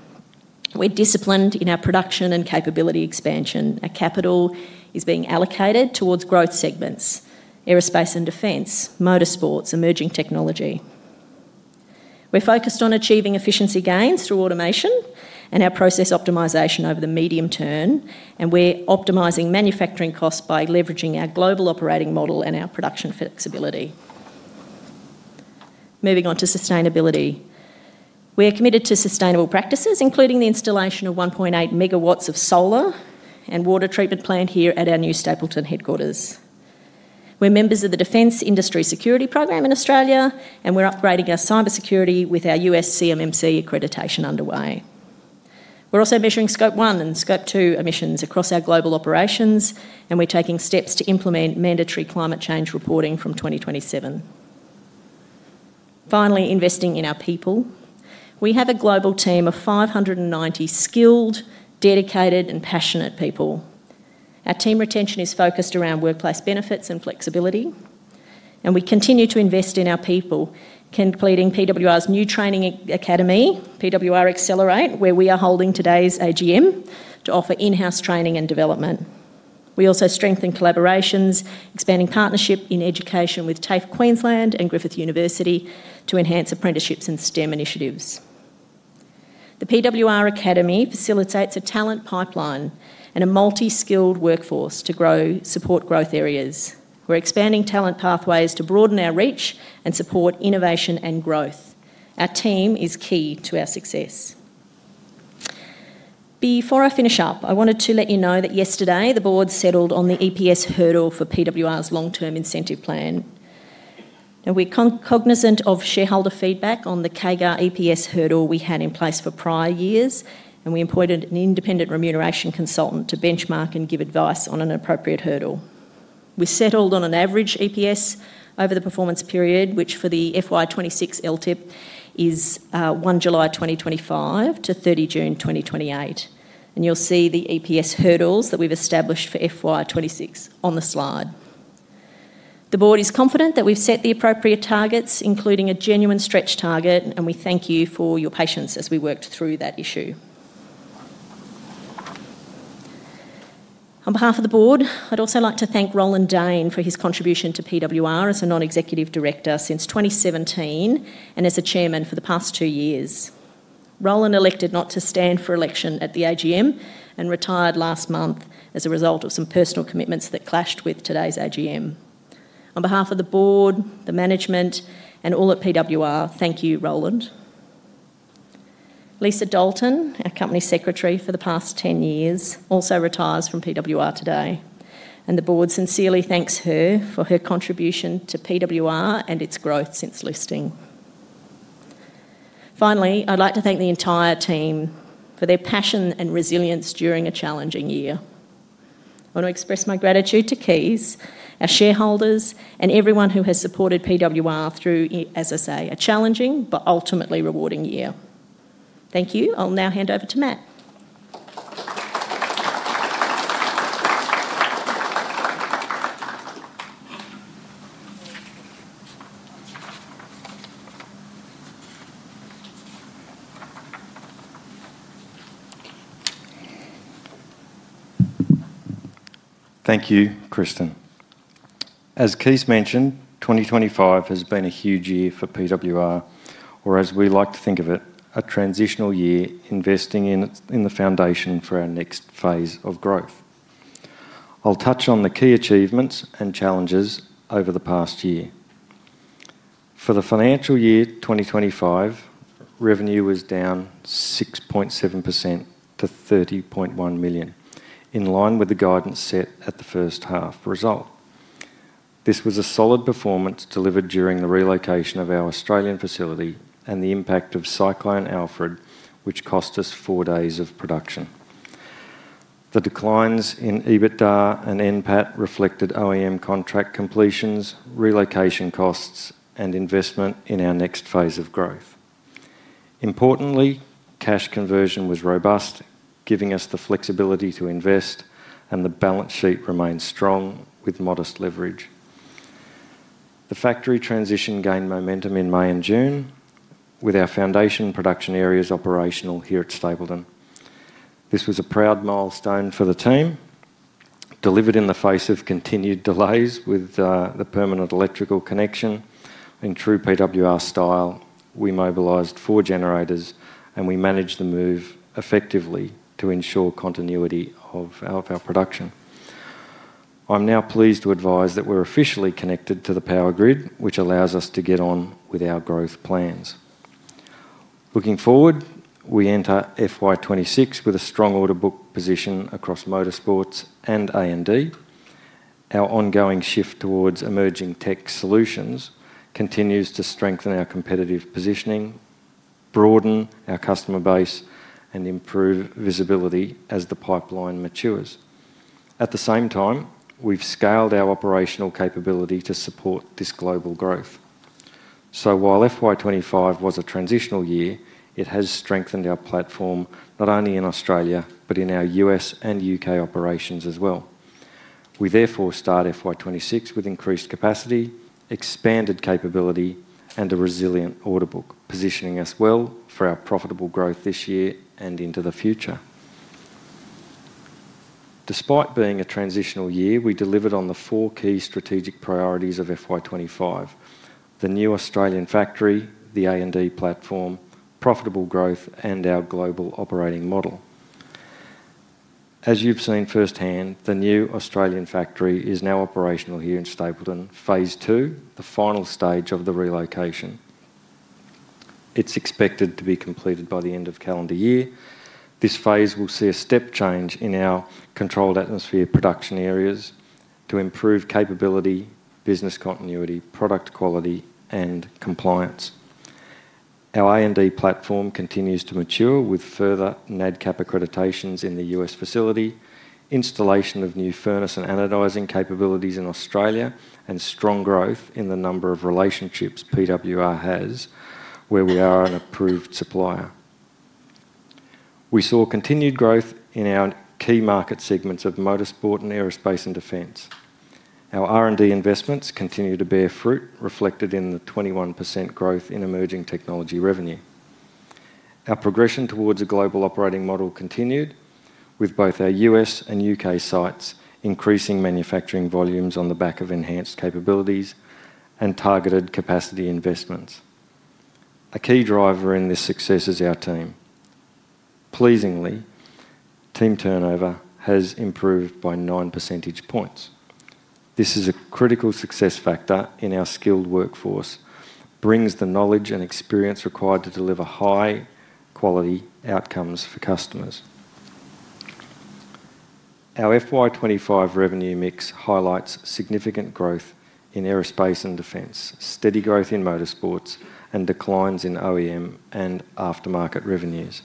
We're disciplined in our production and capability expansion. Our capital is being allocated towards growth segments: aerospace and defense, motorsports, emerging technology. We're focused on achieving efficiency gains through automation and our process optimization over the medium term, and we're optimizing manufacturing costs by leveraging our global operating model and our production flexibility. Moving on to sustainability, we are committed to sustainable practices, including the installation of a 1.8MW solar and water treatment plant here at our new Stapylton headquarters. We're members of the Defense Industry Security Program in Australia, and we're upgrading our cybersecurity with our U.S. CMMC accreditation underway. We're also measuring Scope 1 and Scope 2 emissions across our global operations, and we're taking steps to implement mandatory climate change reporting from 2027. Finally, investing in our people. We have a global team of 590 skilled, dedicated, and passionate people. Our team retention is focused around workplace benefits and flexibility, and we continue to invest in our people, completing PWR's new training academy, PWR Accelerate, where we are holding today's AGM to offer in-house training and development. We also strengthen collaborations, expanding partnership in education with TAFE Queensland and Griffith University to enhance apprenticeships and STEM initiatives. The PWR Academy facilitates a talent pipeline and a multi-skilled workforce to support growth areas. We're expanding talent pathways to broaden our reach and support innovation and growth. Our team is key to our success. Before I finish up, I wanted to let you know that yesterday the board settled on the EPS hurdle for PWR's long-term incentive plan. We're cognizant of shareholder feedback on the CAGR EPS hurdle we had in place for prior years, and we employed an independent remuneration consultant to benchmark and give advice on an appropriate hurdle. We settled on an average EPS over the performance period, which for the FY 2026 LTIP is 1 July 2025 to 30 June 2028. You'll see the EPS hurdles that we've established for FY 2026 on the slide. The board is confident that we've set the appropriate targets, including a genuine stretch target, and we thank you for your patience as we worked through that issue. On behalf of the board, I'd also like to thank Roland Dane for his contribution to PWR as a Non-Executive Director since 2017 and as Chairman for the past two years. Roland elected not to stand for election at the AGM and retired last month as a result of some personal commitments that clashed with today's AGM. On behalf of the board, the management, and all at PWR, thank you, Roland. Lisa Dalton, our Company Secretary for the past 10 years, also retires from PWR today, and the Board sincerely thanks her for her contribution to PWR and its growth since listing. Finally, I'd like to thank the entire team for their passion and resilience during a challenging year. I want to express my gratitude to Kees, our shareholders, and everyone who has supported PWR through, as I say, a challenging but ultimately rewarding year. Thank you. I'll now hand over to Matt. Thank you, Kristen. As Kees mentioned, 2025 has been a huge year for PWR, or as we like to think of it, a transitional year investing in the foundation for our next phase of growth. I'll touch on the key achievements and challenges over the past year. For the financial year 2025, revenue was down 6.7% to 30.1 million, in line with the guidance set at the first half result. This was a solid performance delivered during the relocation of our Australian facility and the impact of Cyclone Alfred, which cost us four days of production. The declines in EBITDA and NPAT reflected OEM contract completions, relocation costs, and investment in our next phase of growth. Importantly, cash conversion was robust, giving us the flexibility to invest, and the balance sheet remained strong with modest leverage. The factory transition gained momentum in May and June with our foundation production areas operational here at Stapylton. This was a proud milestone for the team, delivered in the face of continued delays with the permanent electrical connection. In true PWR style, we mobilized four generators, and we managed the move effectively to ensure continuity of our production. I'm now pleased to advise that we're officially connected to the power grid, which allows us to get on with our growth plans. Looking forward, we enter FY 2026 with a strong order book position across motorsports and A&D. Our ongoing shift towards emerging tech solutions continues to strengthen our competitive positioning, broaden our customer base, and improve visibility as the pipeline matures. At the same time, we've scaled our operational capability to support this global growth. While FY 2025 was a transitional year, it has strengthened our platform not only in Australia, but in our U.S. and U.K. operations as well. We therefore start FY 2026 with increased capacity, expanded capability, and a resilient order book, positioning us well for our profitable growth this year and into the future. Despite being a transitional year, we delivered on the four key strategic priorities of FY 2025: the new Australian factory, the A&D platform, profitable growth, and our global operating model. As you've seen firsthand, the new Australian factory is now operational here in Stapylton, phase II, the final stage of the relocation. It's expected to be completed by the end of calendar year. This phase will see a step change in our controlled atmosphere production areas to improve capability, business continuity, product quality, and compliance. Our A&D platform continues to mature with further NADCAP accreditations in the U.S. facility, installation of new furnace and anodizing capabilities in Australia, and strong growth in the number of relationships PWR has where we are an approved supplier. We saw continued growth in our key market segments of motorsports and aerospace and defense. Our R&D investments continue to bear fruit, reflected in the 21% growth in emerging technology revenue. Our progression towards a global operating model continued with both our U.S. and U.K. sites increasing manufacturing volumes on the back of enhanced capabilities and targeted capacity investments. A key driver in this success is our team. Pleasingly, team turnover has improved by 9 percentage points. This is a critical success factor in our skilled workforce, brings the knowledge and experience required to deliver high-quality outcomes for customers. Our FY 2025 revenue mix highlights significant growth in aerospace and defense, steady growth in motorsports, and declines in OEM and aftermarket revenues.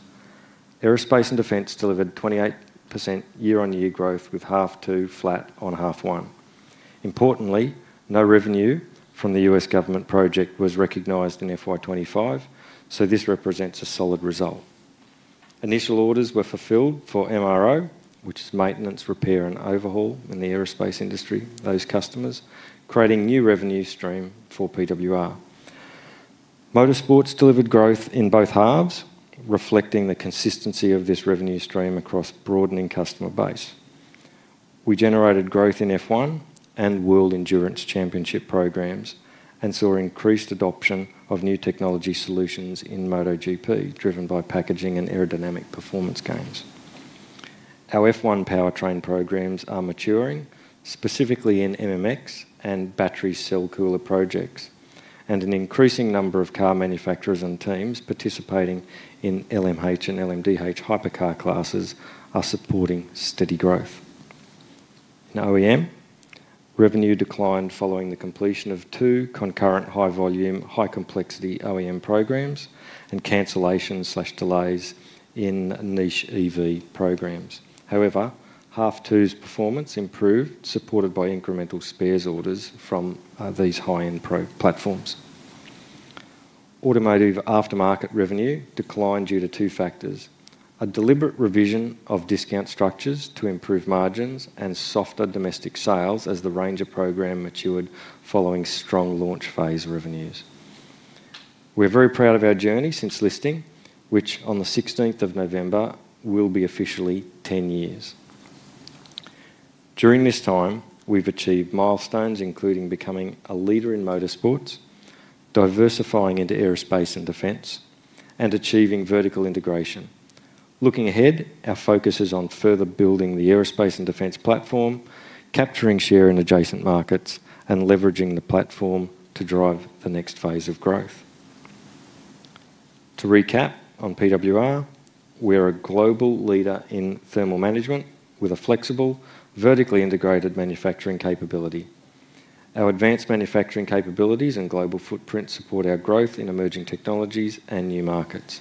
Aerospace and defense delivered 28% year-on-year growth with half two flat on half one. Importantly, no revenue from the U.S. government project was recognized in FY 2025, so this represents a solid result. Initial orders were fulfilled for MRO, which is maintenance, repair, and overhaul in the aerospace industry, those customers, creating a new revenue stream for PWR. Motorsports delivered growth in both halves, reflecting the consistency of this revenue stream across a broadening customer base. We generated growth in F1 and World Endurance Championship programs and saw increased adoption of new technology solutions in MotoGP, driven by packaging and aerodynamic performance gains. Our F1 powertrain programs are maturing, specifically in MMX and battery cell cooler projects, and an increasing number of car manufacturers and teams participating in LMH and LMDH hypercar classes are supporting steady growth. In OEM, revenue declined following the completion of two concurrent high-volume, high-complexity OEM programs and cancellation or delays in niche EV programs. However, half two's performance improved, supported by incremental spares orders from these high-end platforms. Automotive aftermarket revenue declined due to two factors: a deliberate revision of discount structures to improve margins, and softer domestic sales as the Ranger program matured following strong launch phase revenues. We're very proud of our journey since listing, which on the 16th of November will be officially 10 years. During this time, we've achieved milestones, including becoming a leader in motorsports, diversifying into aerospace and defense, and achieving vertical integration. Looking ahead, our focus is on further building the aerospace and defense platform, capturing share in adjacent markets, and leveraging the platform to drive the next phase of growth. To recap on PWR, we're a global leader in thermal management with a flexible, vertically integrated manufacturing capability. Our advanced manufacturing capabilities and global footprint support our growth in emerging technologies and new markets.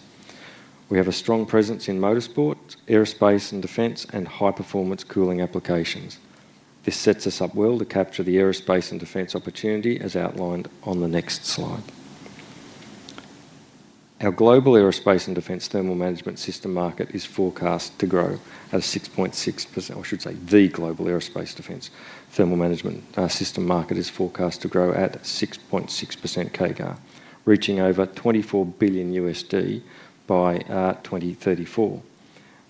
We have a strong presence in motorsports, aerospace and defense, and high-performance cooling applications. This sets us up well to capture the aerospace and defense opportunity as outlined on the next slide. The global aerospace and defense thermal management system market is forecast to grow at 6.6% CAGR, reaching over $24 billion USD by 2034.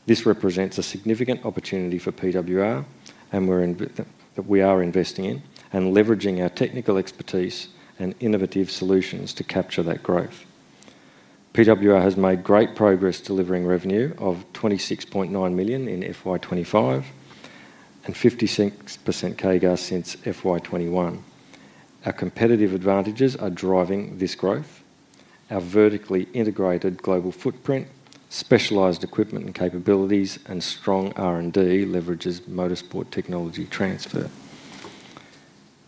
This represents a significant opportunity for PWR, and we are investing in and leveraging our technical expertise and innovative solutions to capture that growth. PWR has made great progress delivering revenue of 26.9 million in FY 2025 and 56% CAGR since FY 2021. Our competitive advantages are driving this growth. Our vertically integrated global footprint, specialized equipment and capabilities, and strong R&D leverages motorsport technology transfer.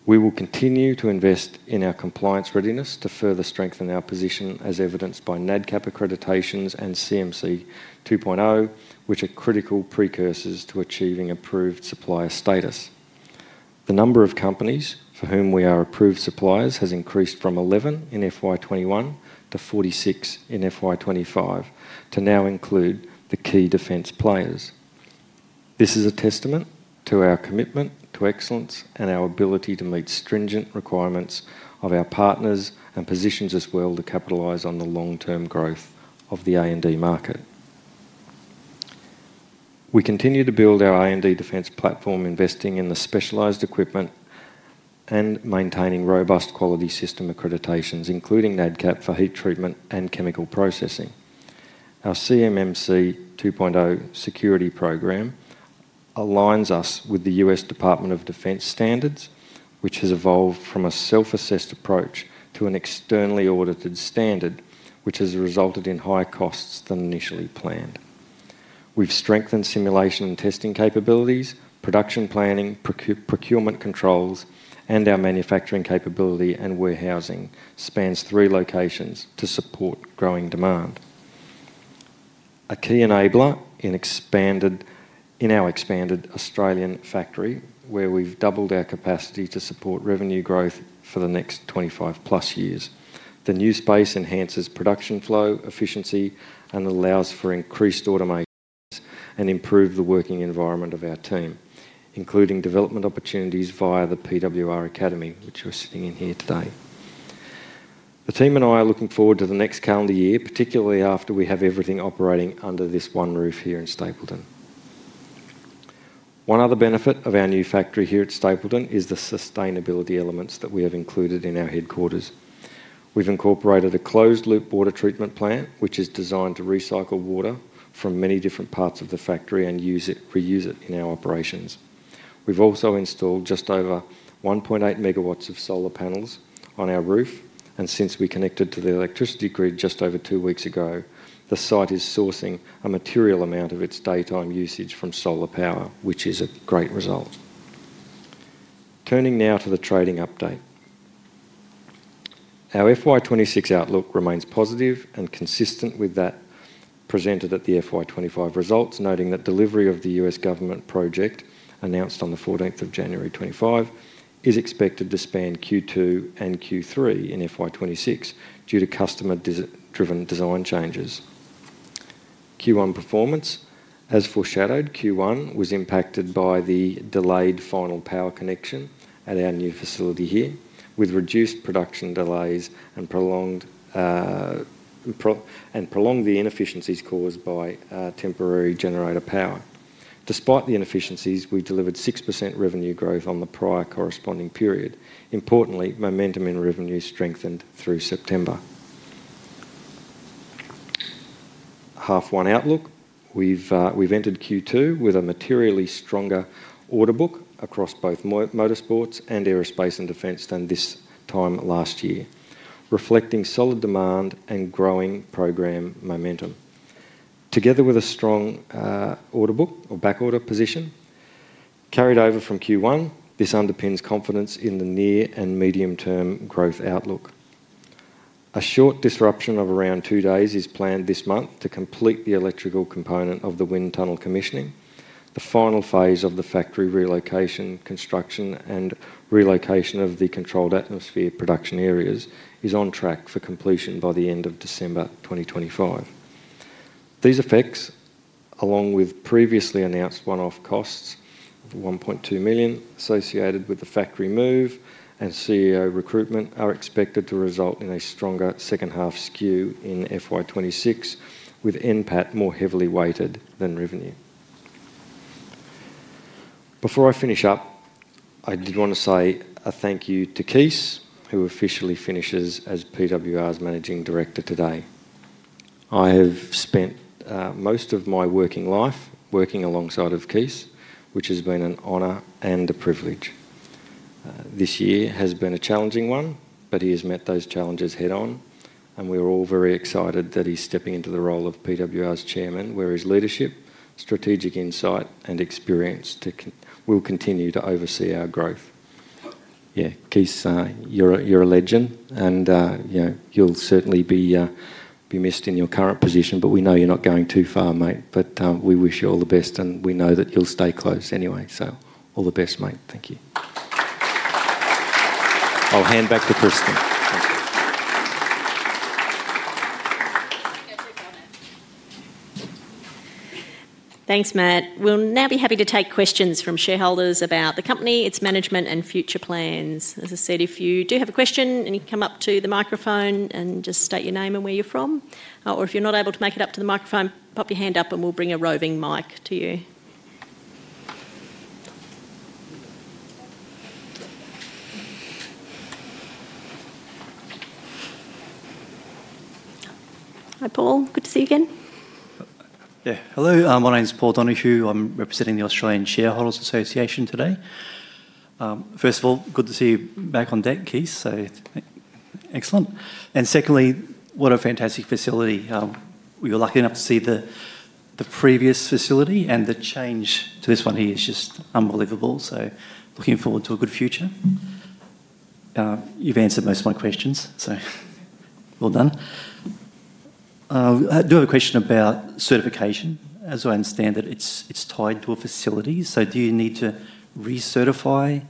We will continue to invest in our compliance readiness to further strengthen our position, as evidenced by NADCAP accreditations and CMC 2.0, which are critical precursors to achieving approved supplier status. The number of companies for whom we are approved suppliers has increased from 11 in FY 2021 to 46 in FY 2025, to now include the key defense players. This is a testament to our commitment to excellence and our ability to meet stringent requirements of our partners and positions us well to capitalize on the long-term growth of the A&D market. We continue to build our A&D defense platform, investing in the specialized equipment and maintaining robust quality system accreditations, including NADCAP for heat treatment and chemical processing. Our CMMC 2.0 security program aligns us with the U.S. Department of Defense standards, which has evolved from a self-assessed approach to an externally audited standard, which has resulted in higher costs than initially planned. We've strengthened simulation and testing capabilities, production planning, procurement controls, and our manufacturing capability and warehousing spans three locations to support growing demand. A key enabler in our expanded Australian factory, where we've doubled our capacity to support revenue growth for the next 25+ years, the new space enhances production flow efficiency and allows for increased automation and improves the working environment of our team, including development opportunities via the PWR Academy, which you're sitting in here today. The team and I are looking forward to the next calendar year, particularly after we have everything operating under this one roof here in Stapylton. One other benefit of our new factory here at Stapylton is the sustainability elements that we have included in our headquarters. We've incorporated a closed-loop water treatment plant, which is designed to recycle water from many different parts of the factory and reuse it in our operations. We've also installed just over 1.8MW of solar panels on our roof, and since we connected to the electricity grid just over two weeks ago, the site is sourcing a material amount of its daytime usage from solar power, which is a great result. Turning now to the trading update. Our FY 2026 outlook remains positive and consistent with that presented at the FY 2025 results, noting that delivery of the U.S. government project announced on the 14th of January 2025 is expected to span Q2 and Q3 in FY 2026 due to customer-driven design changes. Q1 performance, as foreshadowed, Q1 was impacted by the delayed final power connection at our new facility here, with reduced production delays and prolonged the inefficiencies caused by temporary generator power. Despite the inefficiencies, we delivered 6% revenue growth on the prior corresponding period. Importantly, momentum in revenue strengthened through September. Half one outlook, we've entered Q2 with a materially stronger order book across both motorsports and aerospace and defense than this time last year, reflecting solid demand and growing program momentum. Together with a strong order book or backorder position carried over from Q1, this underpins confidence in the near and medium-term growth outlook. A short disruption of around two days is planned this month to complete the electrical component of the wind tunnel commissioning. The final phase of the factory relocation, construction, and relocation of the controlled atmosphere production areas is on track for completion by the end of December 2025. These effects, along with previously announced one-off costs of $1.2 million associated with the factory move and CEO recruitment, are expected to result in a stronger second half skew in FY 2026, with NPAT more heavily weighted than revenue. Before I finish up, I did want to say a thank you to Kees, who officially finishes as PWR's Managing Director today. I have spent most of my working life working alongside Kees, which has been an honor and a privilege. This year has been a challenging one, but he has met those challenges head-on, and we're all very excited that he's stepping into the role of PWR's Chairman, where his leadership, strategic insight, and experience will continue to oversee our growth. Yeah, Kees, you're a legend, and you'll certainly be missed in your current position, but we know you're not going too far, mate. We wish you all the best, and we know that you'll stay close anyway. All the best, mate. Thank you. I'll hand back to Kristen. Thanks, Matt. We'll now be happy to take questions from shareholders about the company, its management, and future plans. As I said, if you do have a question, you can come up to the microphone and just state your name and where you're from. If you're not able to make it up to the microphone, pop your hand up and we'll bring a roving mic to you. Hi, Paul. Good to see you again. Yeah, hello. My name's Paul Donahue. I'm representing the Australian Shareholders Association today. First of all, good to see you back on deck, Kees. Excellent. Secondly, what a fantastic facility. We were lucky enough to see the previous facility, and the change to this one here is just unbelievable. Looking forward to a good future. You've answered most of my questions, so well done. I do have a question about certification. As I understand it, it's tied to a facility. Do you need to recertify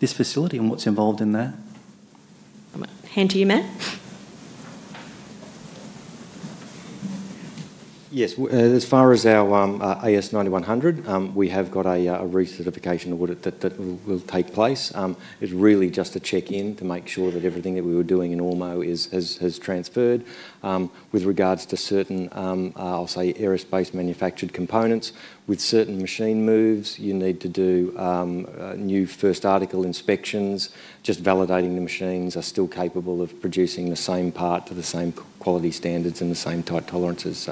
this facility and what's involved in that? I'm going to hand to you, Matt. Yes. As far as our AS9100, we have got a recertification that will take place. It's really just a check-in to make sure that everything that we were doing in Almo has transferred. With regards to certain, I'll say, aerospace manufactured components, with certain machine moves, you need to do new first article inspections, just validating the machines are still capable of producing the same part to the same quality standards and the same type tolerances.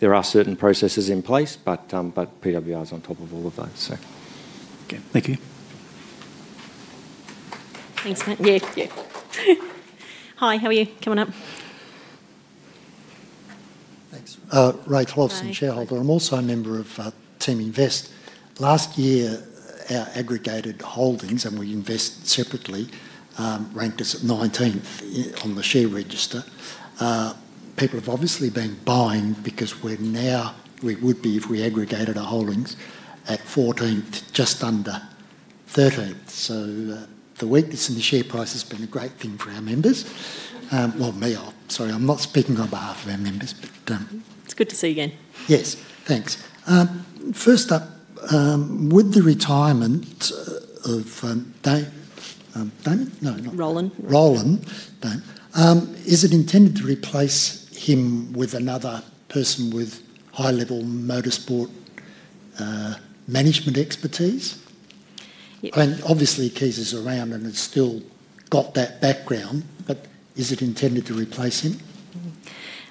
There are certain processes in place, but PWR is on top of all of those. Thank you. Thanks, Matt. Hi, how are you? Coming up. Thanks. Ray Cloughson, shareholder. I'm also a member of Team Invest. Last year, our aggregated holdings, and we invest separately, ranked us at 19th on the share register. People have obviously been buying because now, if we aggregated our holdings, we would be at 14th, just under 13th. The weakness in the share price has been a great thing for our members. Sorry, I'm not speaking on behalf of our members, but. It's good to see you again. Yes, thanks. First up, with the retirement of Damon, no, not Roland. Roland. Roland, is it intended to replace him with another person with high-level motorsport management expertise? Yes. Obviously, Kees is around and has still got that background, but is it intended to replace him?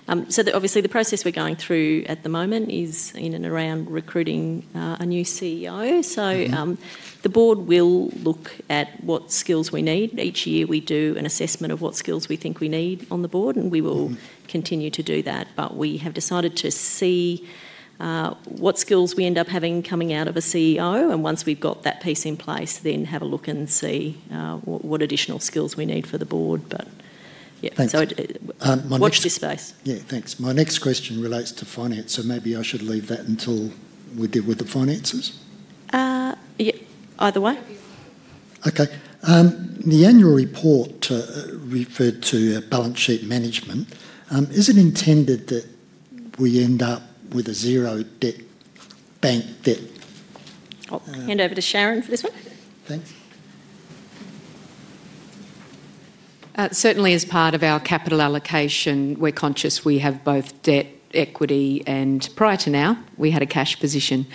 Obviously, the process we're going through at the moment is in and around recruiting a new CEO. The board will look at what skills we need. Each year, we do an assessment of what skills we think we need on the board, and we will continue to do that. We have decided to see what skills we end up having coming out of a CEO, and once we've got that piece in place, then have a look and see what additional skills we need for the board. Yeah, watch this space. Thanks. My next question relates to finance, so maybe I should leave that until we deal with the finances. Yeah, either way. Okay. The annual report referred to balance sheet management. Is it intended that we end up with a zero debt, bank debt? I'll hand over to Sharyn for this one. Thanks. Certainly, as part of our capital allocation, we're conscious we have both debt, equity, and prior to now, we had a cash position.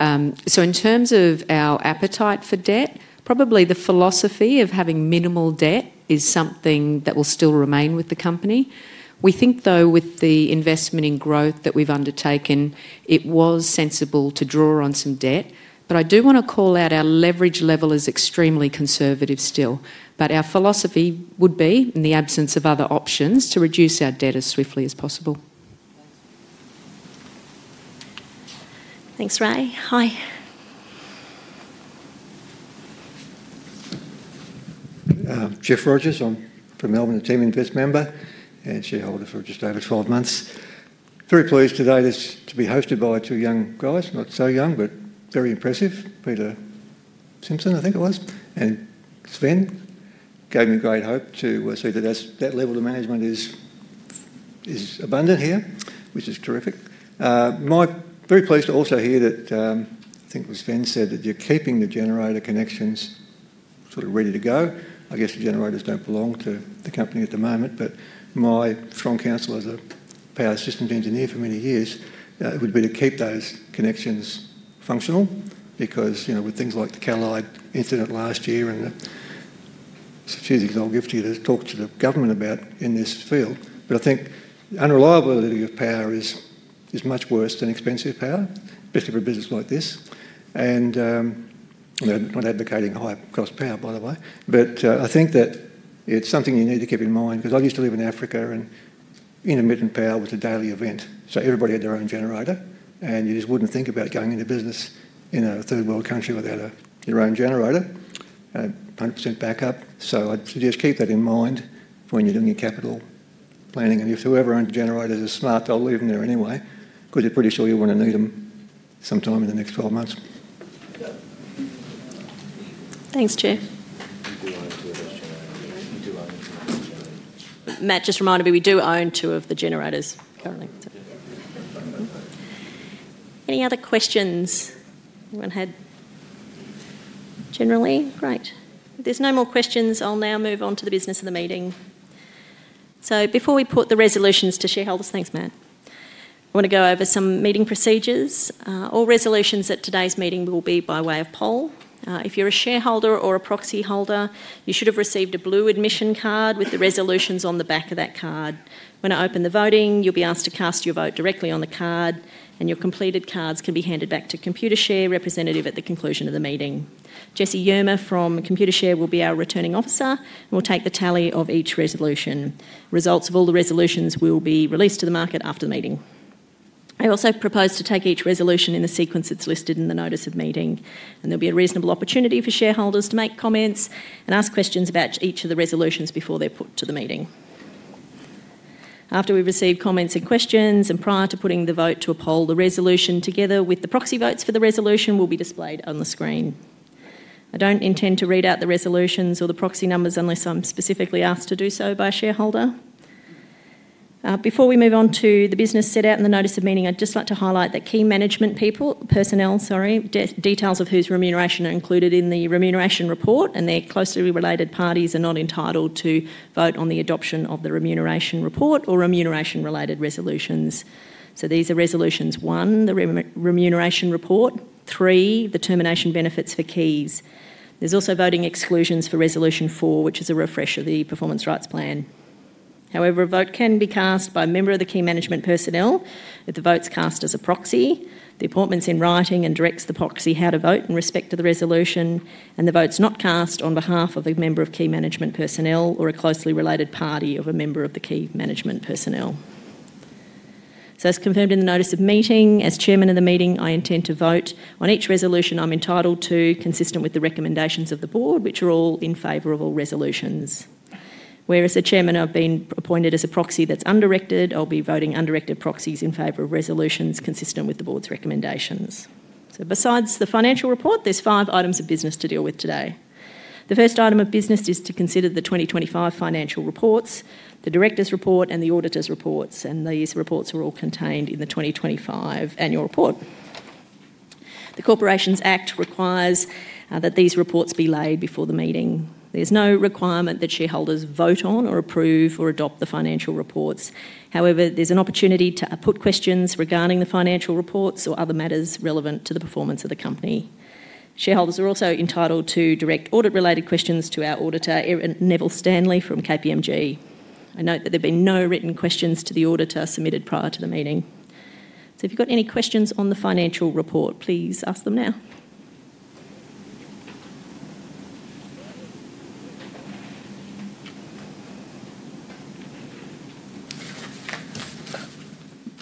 In terms of our appetite for debt, probably the philosophy of having minimal debt is something that will still remain with the company. We think, though, with the investment in growth that we've undertaken, it was sensible to draw on some debt. I do want to call out our leverage level is extremely conservative still. Our philosophy would be, in the absence of other options, to reduce our debt as swiftly as possible. Thanks. Thanks, Ray. Hi. Jeff Rogers. I'm from Melbourne, a Team Invest member and shareholder for just over 12 months. Very pleased today to be hosted by two young guys, not so young, but very impressive. Peter Simpson, I think it was, and Sven gave me great hope to see that that level of management is abundant here, which is terrific. I'm very pleased to also hear that, I think Sven said, that you're keeping the generator connections sort of ready to go. I guess the generators don't belong to the company at the moment, but my strong counsel as a power systems engineer for many years would be to keep those connections functional because, you know, with things like the CALliDE incident last year and the strategics I'll give to you to talk to the government about in this field. I think the unreliability of power is much worse than expensive power, especially for a business like this. I'm not advocating high-cost power, by the way. I think that it's something you need to keep in mind because I used to live in Africa and intermittent power was a daily event. Everybody had their own generator, and you just wouldn't think about going into business in a third world country without your own generator, 100% backup. I'd suggest keep that in mind when you're doing your capital planning. If whoever owns generators is smart, they'll leave them there anyway because you're pretty sure you're going to need them sometime in the next 12 months. Thanks, Jeff. We do own two of those generators. Matt just reminded me we do own two of the generators currently. Any other questions? Anyone had? Generally, great. If there's no more questions, I'll now move on to the business of the meeting. Before we put the resolutions to shareholders, thanks, Matt. I want to go over some meeting procedures. All resolutions at today's meeting will be by way of poll. If you're a shareholder or a proxy holder, you should have received a blue admission card with the resolutions on the back of that card. When I open the voting, you'll be asked to cast your vote directly on the card, and your completed cards can be handed back to ComputerShare representative at the conclusion of the meeting. Jesse Yermer from ComputerShare will be our returning officer and will take the time of each resolution. Results of all the resolutions will be released to the market after the meeting. I also propose to take each resolution in the sequence it's listed in the notice of meeting, and there'll be a reasonable opportunity for shareholders to make comments and ask questions about each of the resolutions before they're put to the meeting. After we receive comments and questions, and prior to putting the vote to a poll, the resolution together with the proxy votes for the resolution will be displayed on the screen. I don't intend to read out the resolutions or the proxy numbers unless I'm specifically asked to do so by a shareholder. Before we move on to the business set out in the notice of meeting, I'd just like to highlight that key management people, personnel, sorry, details of whose remuneration are included in the remuneration report and the closely related parties are not entitled to vote on the adoption of the remuneration report or remuneration related resolutions. These are resolutions: one, the remuneration report; three, the termination benefits for keys. There's also voting exclusions for resolution four, which is a refresher of the performance rights plan. However, a vote can be cast by a member of the key management personnel if the vote's cast as a proxy, the appointment's in writing and directs the proxy how to vote in respect to the resolution, and the vote's not cast on behalf of a member of key management personnel or a closely related party of a member of the key management personnel. As confirmed in the notice of meeting, as Chairman of the meeting, I intend to vote on each resolution I'm entitled to, consistent with the recommendations of the board, which are all in favorable resolutions. Where as the Chairman I've been appointed as a proxy that's undirected, I'll be voting undirected proxies in favor of resolutions consistent with the board's recommendations. Besides the financial report, there's five items of business to deal with today. The first item of business is to consider the 2025 financial reports, the Director's report, and the Auditor's reports, and these reports are all contained in the 2025 annual report. The Corporations Act requires that these reports be laid before the meeting. There's no requirement that shareholders vote on or approve or adopt the financial reports. However, there's an opportunity to put questions regarding the financial reports or other matters relevant to the performance of the company. Shareholders are also entitled to direct audit-related questions to our auditor, Neville Stanley from KPMG. I note that there have been no written questions to the auditor submitted prior to the meeting. If you've got any questions on the financial report, please ask them now.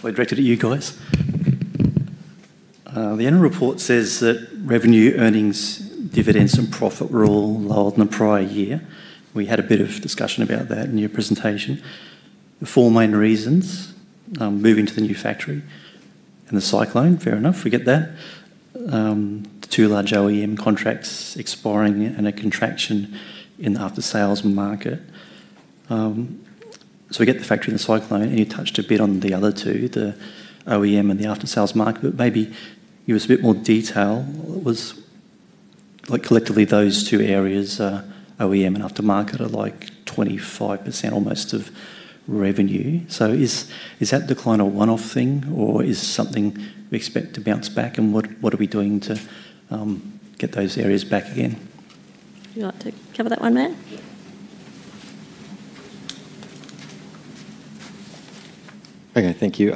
I directed at you guys. The annual report says that revenue, earnings, dividends, and profit were all lower than the prior year. We had a bit of discussion about that in your presentation. The four main reasons: moving to the new factory and the cyclone. Fair enough. We get that. The two large OEM contracts expiring and a contraction in the after-sales market. We get the factory and the cyclone, and you touched a bit on the other two, the OEM and the after-sales market, but maybe give us a bit more detail. It was like collectively those two areas, OEM and aftermarket, are like 25% almost of revenue. Is that decline a one-off thing or is something we expect to bounce back and what are we doing to get those areas back again? Would you like to cover that one, Matt? Okay, thank you.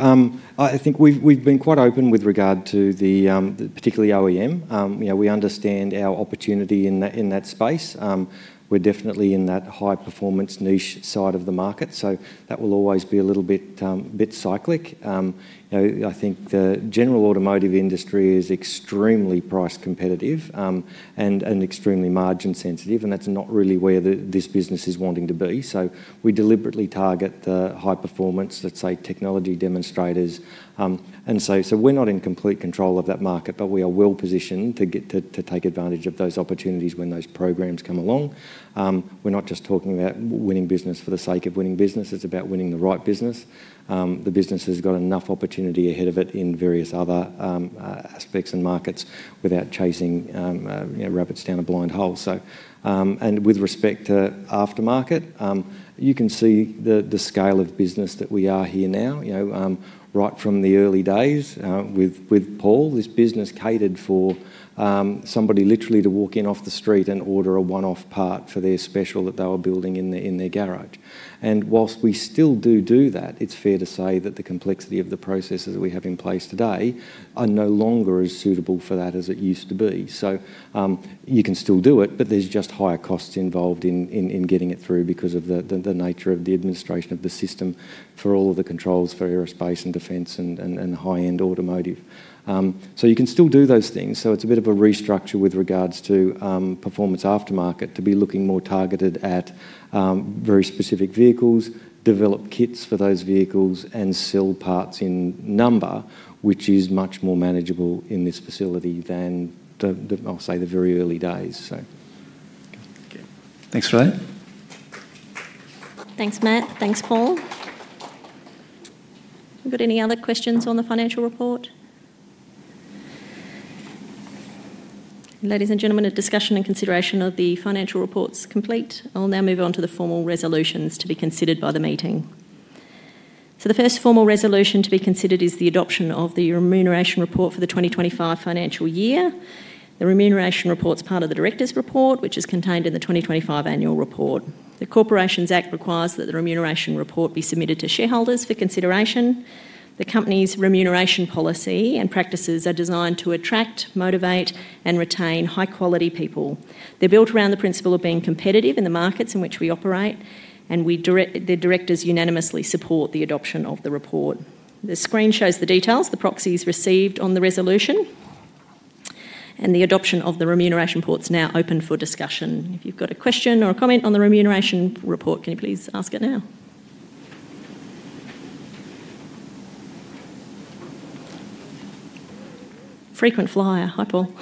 I think we've been quite open with regard to the particularly OEM. We understand our opportunity in that space. We're definitely in that high-performance niche side of the market, so that will always be a little bit cyclic. I think the general automotive industry is extremely price competitive and extremely margin sensitive, and that's not really where this business is wanting to be. We deliberately target the high-performance, let's say, technology demonstrators. We're not in complete control of that market, but we are well positioned to take advantage of those opportunities when those programs come along. We're not just talking about winning business for the sake of winning business. It's about winning the right business. The business has got enough opportunity ahead of it in various other aspects and markets without chasing rabbits down a blind hole. With respect to aftermarket, you can see the scale of business that we are here now. Right from the early days with Paul, this business catered for somebody literally to walk in off the street and order a one-off part for their special that they were building in their garage. Whilst we still do do that, it's fair to say that the complexity of the processes that we have in place today are no longer as suitable for that as it used to be. You can still do it, but there's just higher costs involved in getting it through because of the nature of the administration of the system for all of the controls for aerospace and defense and high-end automotive. You can still do those things. It's a bit of a restructure with regards to performance aftermarket to be looking more targeted at very specific vehicles, develop kits for those vehicles, and sell parts in number, which is much more manageable in this facility than, I'll say, the very early days. Thanks for that. Thanks, Matt. Thanks, Paul. We've got any other questions on the financial report? Ladies and gentlemen, a discussion and consideration of the financial reports complete. I'll now move on to the formal resolutions to be considered by the meeting. The first formal resolution to be considered is the adoption of the remuneration report for the 2025 financial year. The remuneration report's part of the directors' report, which is contained in the 2025 annual report. The Corporations Act requires that the remuneration report be submitted to shareholders for consideration. The company's remuneration policy and practices are designed to attract, motivate, and retain high-quality people. They're built around the principle of being competitive in the markets in which we operate, and the directors unanimously support the adoption of the report. The screen shows the details, the proxies received on the resolution, and the adoption of the remuneration report's now open for discussion. If you've got a question or a comment on the remuneration report, can you please ask it now? Frequent flyer. Hi, Paul.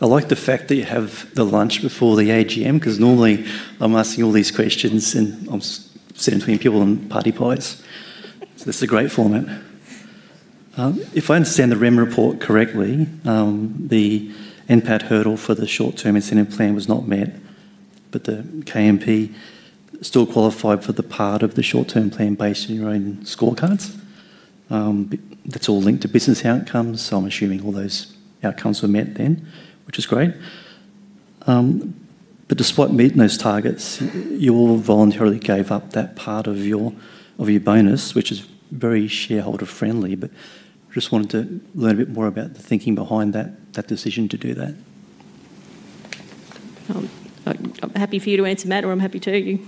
I like the fact that you have the lunch before the AGM because normally I'm asking all these questions and I'm sitting between people and party poise. That's a great format. If I understand the REM report correctly, the NPAT hurdle for the short-term incentive plan was not met, but the KMP still qualified for the part of the short-term plan based on your own scorecards. That's all linked to business outcomes, so I'm assuming all those outcomes were met then, which is great. Despite meeting those targets, you all voluntarily gave up that part of your bonus, which is very shareholder-friendly. I just wanted to learn a bit more about the thinking behind that decision to do that. I'm happy for you to answer, Matt, or I'm happy to.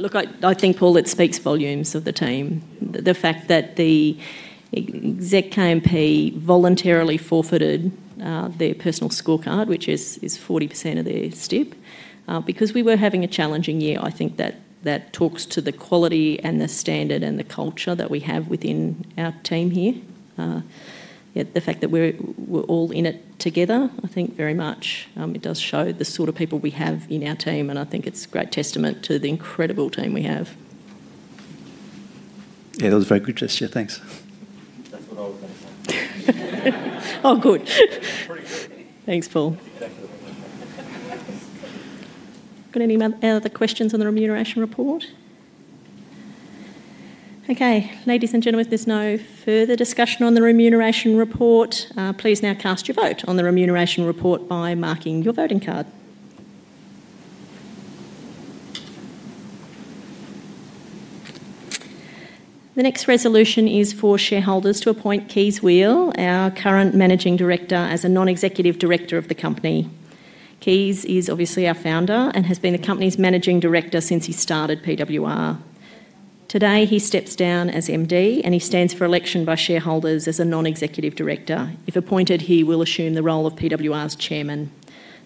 Look, I think, Paul, it speaks volumes of the team. The fact that the exec KMP voluntarily forfeited their personal scorecard, which is 40% of their step, because we were having a challenging year, I think that talks to the quality and the standard and the culture that we have within our team here. The fact that we're all in it together, I think very much, it does show the sort of people we have in our team, and I think it's a great testament to the incredible team we have. Yeah, that was a very good gesture. Thanks. Oh, good. Thanks, Paul. Got any other questions on the remuneration report? Okay, ladies and gentlemen, if there's no further discussion on the remuneration report, please now cast your vote on the remuneration report by marking your voting card. The next resolution is for shareholders to appoint Kees Weel, our current Managing Director, as a Non-Executive Director of the company. Kees is obviously our founder and has been the company's Managing Director since he started PWR. Today, he steps down as MD, and he stands for election by shareholders as a Non-Executive Director. If appointed, he will assume the role of PWR's Chairman.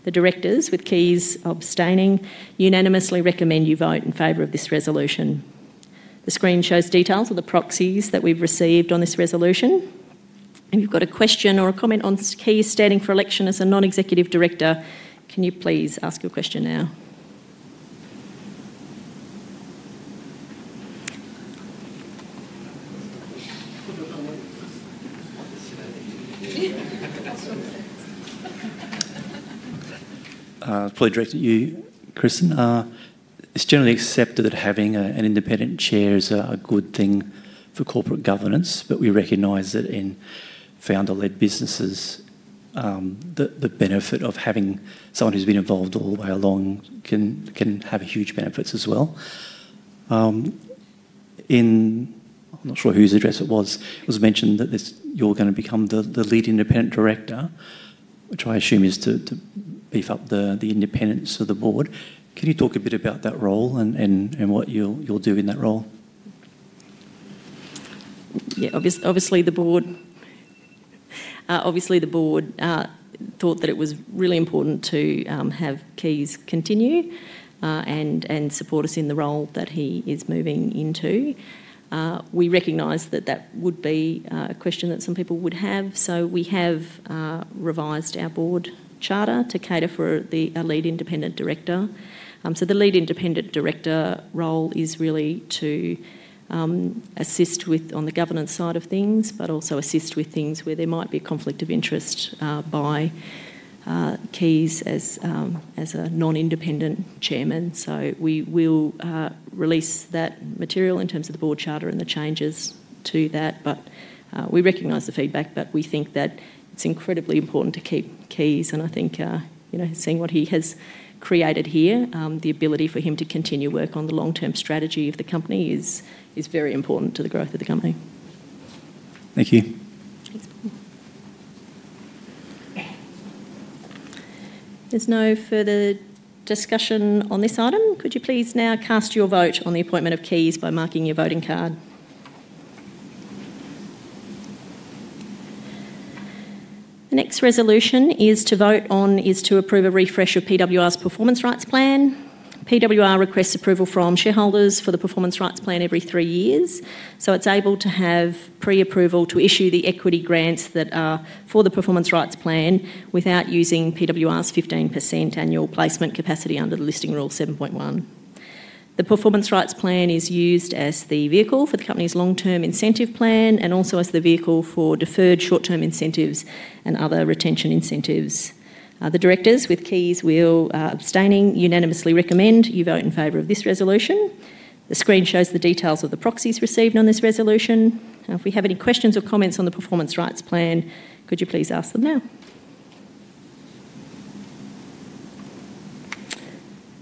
The directors, with Kees abstaining, unanimously recommend you vote in favor of this resolution. The screen shows details of the proxies that we've received on this resolution. If you've got a question or a comment on Kees standing for election as a Non-Executive Director, can you please ask your question now? I'll probably direct it to you, Kristen. It's generally accepted that having an independent chair is a good thing for corporate governance, but we recognize that in founder-led businesses, the benefit of having someone who's been involved all the way along can have huge benefits as well. In, I'm not sure whose address it was, it was mentioned that you're going to become the lead independent director, which I assume is to beef up the independence of the board. Can you talk a bit about that role and what you'll do in that role? Yeah, obviously the board thought that it was really important to have Kees continue and support us in the role that he is moving into. We recognize that that would be a question that some people would have, so we have revised our board charter to cater for a Lead Independent Director. The Lead Independent Director role is really to assist with on the governance side of things, but also assist with things where there might be a conflict of interest by Kees as a non-independent Chairman. We will release that material in terms of the board charter and the changes to that. We recognize the feedback, but we think that it's incredibly important to keep Kees, and I think, you know, seeing what he has created here, the ability for him to continue work on the long-term strategy of the company is very important to the growth of the company. Thank you. There's no further discussion on this item. Could you please now cast your vote on the appointment of Kees by marking your voting card? The next resolution to vote on is to approve a refresher of PWR's performance rights plan. PWR requests approval from shareholders for the performance rights plan every three years, so it's able to have pre-approval to issue the equity grants that are for the performance rights plan without using PWR's 15% annual placement capacity under the listing rule 7.1. The performance rights plan is used as the vehicle for the company's long-term incentive plan and also as the vehicle for deferred short-term incentives and other retention incentives. The directors, with Kees Weel abstaining, unanimously recommend you vote in favor of this resolution. The screen shows the details of the proxies received on this resolution. If we have any questions or comments on the performance rights plan, could you please ask them now?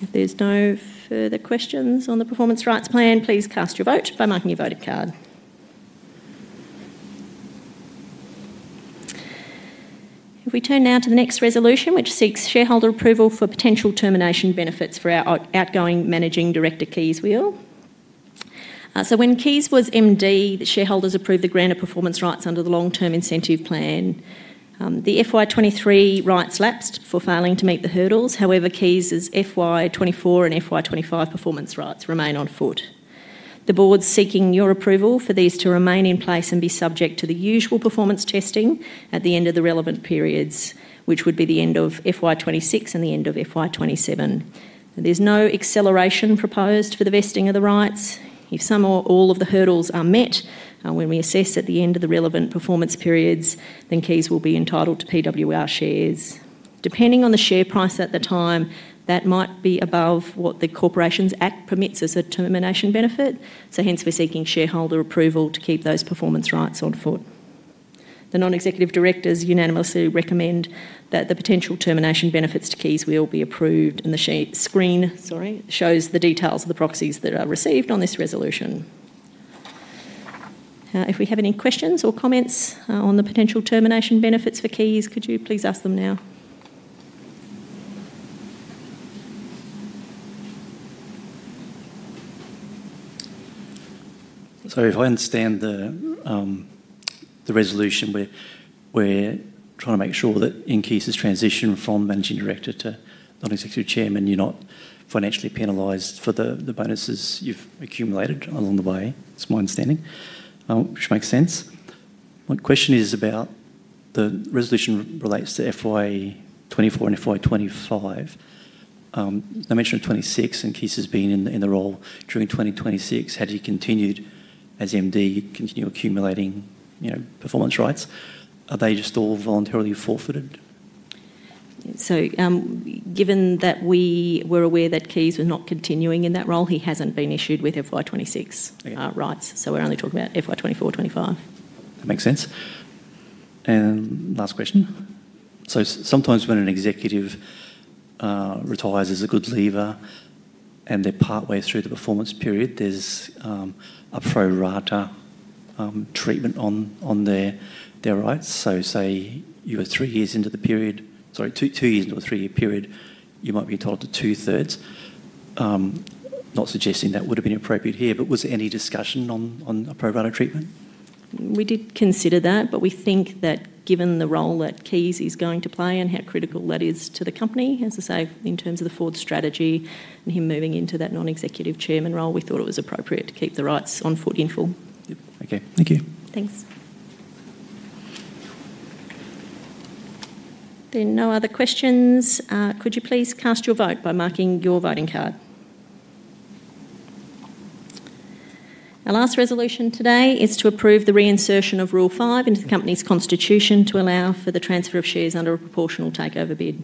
If there's no further questions on the performance rights plan, please cast your vote by marking your voting card. If we turn now to the next resolution, which seeks shareholder approval for potential termination benefits for our outgoing Managing Director, Kees Weel. When Kees was MD, the shareholders approved the grant of performance rights under the long-term incentive plan. The FY 2023 rights lapsed for failing to meet the hurdles. However, Kees's FY 2024 and FY 2025 performance rights remain on foot. The board's seeking your approval for these to remain in place and be subject to the usual performance testing at the end of the relevant periods, which would be the end of FY 2026 and the end of FY 2027. There's no acceleration proposed for the vesting of the rights. If some or all of the hurdles are met when we assess at the end of the relevant performance periods, then Kees will be entitled to PWR shares. Depending on the share price at the time, that might be above what the Corporations Act permits as a termination benefit. Hence, we're seeking shareholder approval to keep those performance rights on foot. The non-executive directors unanimously recommend that the potential termination benefits to Kees Weel be approved, and the screen shows the details of the proxies that are received on this resolution. If we have any questions or comments on the potential termination benefits for Kees, could you please ask them now? If I understand the resolution, we're trying to make sure that in Kees's transition from Managing Director to Non-Executive Chairman, you're not financially penalized for the bonuses you've accumulated along the way. It's my understanding, which makes sense. My question is about the resolution relates to FY 2024 and FY 2025. I mentioned in 2026, and Kees has been in the role during 2026. Had he continued as MD, continue accumulating performance rights? Are they just all voluntarily forfeited? Given that we were aware that Kees was not continuing in that role, he hasn't been issued with FY 2026 rights. We're only talking about FY 2024, 2025. That makes sense. Last question. Sometimes when an executive retires as a good leaver and they're partway through the performance period, there's a pro-rata treatment on their rights. Say you were two years into a three-year period, you might be entitled to two-thirds. Not suggesting that would have been appropriate here, but was there any discussion on a pro-rata treatment? We did consider that, but we think that given the role that Kees is going to play and how critical that is to the company, as I say, in terms of the forward strategy and him moving into that Non-Executive Chairman role, we thought it was appropriate to keep the rights on foot in full. Okay, thank you. Thanks. If there are no other questions, could you please cast your vote by marking your voting card? Our last resolution today is to approve the reinsertion of Rule 5 into the company's constitution to allow for the transfer of shares under a proportional takeover bid.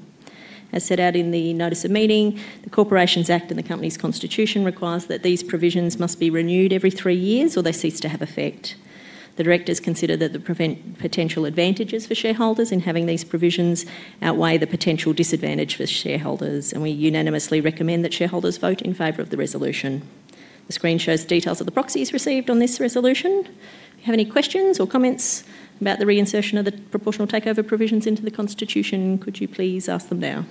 As set out in the notice of meeting, the Corporations Act and the company's constitution require that these provisions must be renewed every three years or they cease to have effect. The directors consider that the potential advantages for shareholders in having these provisions outweigh the potential disadvantage for shareholders, and we unanimously recommend that shareholders vote in favor of the resolution. The screen shows details of the proxies received on this resolution. If you have any questions or comments about the reinsertion of the proportional takeover provisions into the constitution, could you please ask them now?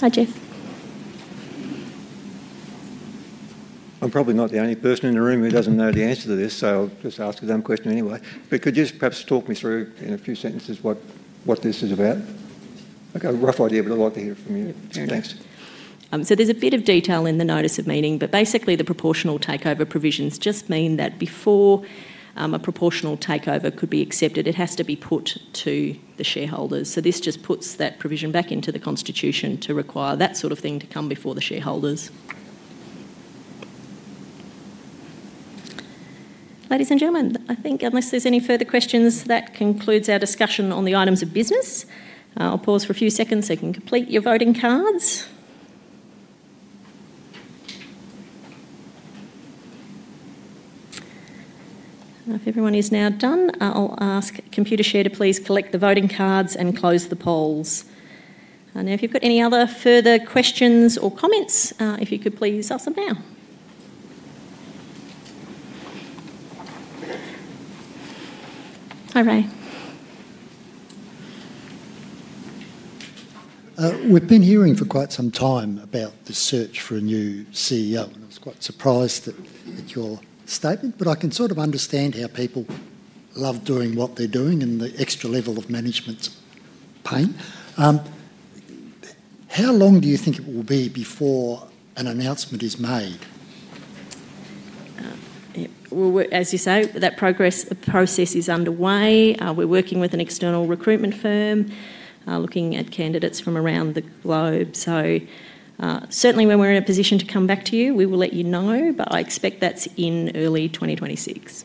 Hi Jeff. I'm probably not the only person in the room who doesn't know the answer to this, so I'll just ask a dumb question anyway. Could you just perhaps talk me through in a few sentences what this is about? I've got a rough idea, but I'd like to hear it from you. There is a bit of detail in the notice of meeting, but basically the proportional takeover provisions just mean that before a proportional takeover could be accepted, it has to be put to the shareholders. This just puts that provision back into the constitution to require that sort of thing to come before the shareholders. Ladies and gentlemen, I think unless there's any further questions, that concludes our discussion on the items of business. I'll pause for a few seconds so you can complete your voting cards. If everyone is now done, I'll ask Computershare to please collect the voting cards and close the polls. If you've got any other further questions or comments, if you could please ask them now. Hi, Ray. We've been hearing for quite some time about the search for a new CEO, and I was quite surprised at your statement. I can sort of understand how people love doing what they're doing and the extra level of management's pain. How long do you think it will be before an announcement is made? As you say, that progress process is underway. We're working with an external recruitment firm looking at candidates from around the globe. Certainly, when we're in a position to come back to you, we will let you know. I expect that's in early 2026.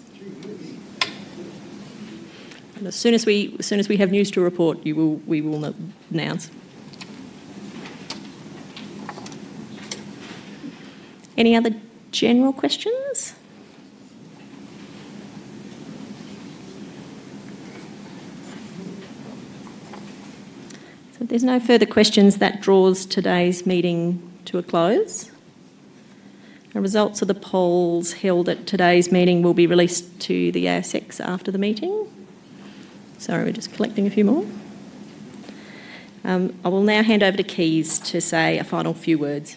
As soon as we have news to report, we will announce. Any other general questions? If there's no further questions, that draws today's meeting to a close. The results of the polls held at today's meeting will be released to the ASX after the meeting. Sorry, we're just collecting a few more. I will now hand over to Kees to say a final few words.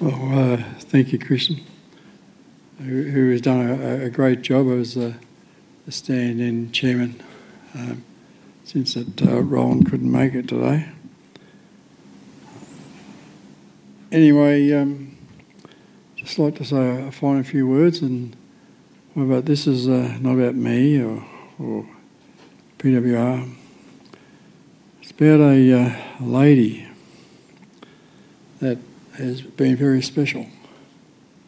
Thank you, Kristen, who has done a great job as a stand-in Chairman since that Roland and couldn't make it today. I'd just like to say a final few words, and what about this is not about me or PWR. It's about a lady that has been very special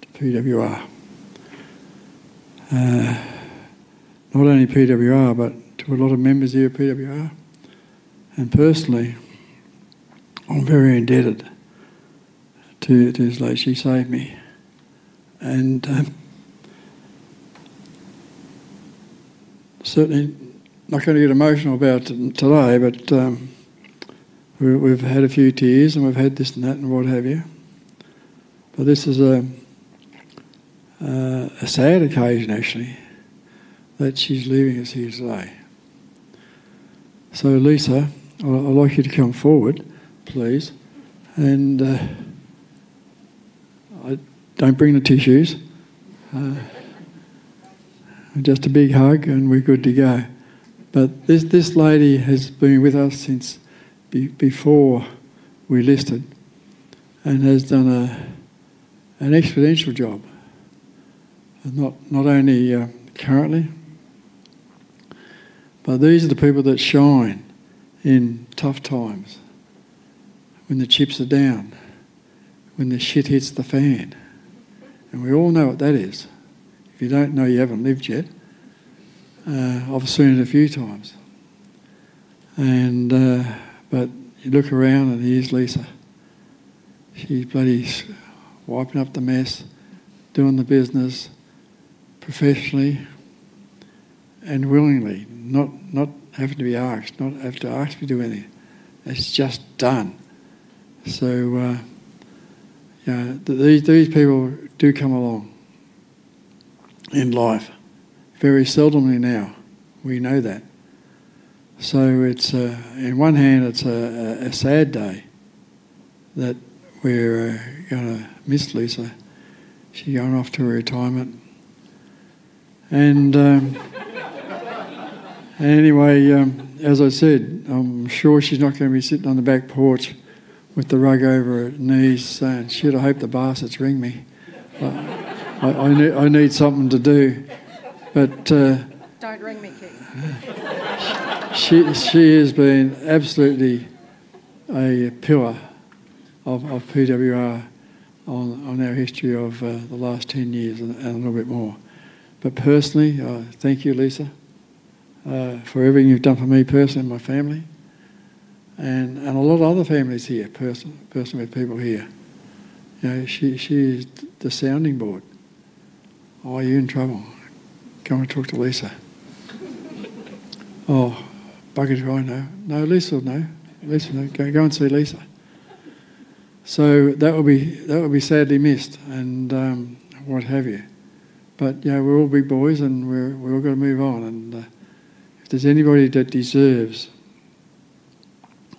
to PWR. Not only PWR, but to a lot of members here at PWR. Personally, I'm very indebted to this lady. She saved me. Certainly, I'm not going to get emotional about it today, but we've had a few tears and we've had this and that and what have you. This is a sad occasion, actually, that she's leaving us here today. Lisa, I'd like you to come forward, please. Don't bring the tissues. Just a big hug and we're good to go. This lady has been with us since before we listed and has done an exponential job, not only currently, but these are the people that shine in tough times when the chips are down, when the shit hits the fan. We all know what that is. If you don't know, you haven't lived yet. I've seen it a few times. You look around and here's Lisa. She's bloody wiping up the mess, doing the business professionally and willingly, not having to be asked, not having to ask to be doing it. It's just done. These people do come along in life. Very seldomly now, we know that. On one hand, it's a sad day that we're going to miss Lisa. She's going off to retirement. As I said, I'm sure she's not going to be sitting on the back porch with the rug over her knees saying, "Shit, I hope the bastards ring me." I need something to do. Don't ring me, Kees. She has been absolutely a pillar of PWR on our history of the last 10 years and a little bit more. Personally, thank you, Lisa, for everything you've done for me personally and my family, and a lot of other families here, personally with people here. You know, she's the sounding board. Are you in trouble? Go and talk to Lisa. Oh, bugging to cry now. No, Lisa will know. Lisa, go and see Lisa. That will be sadly missed and what have you. You know, we'll all be boys and we're all going to move on. If there's anybody that deserves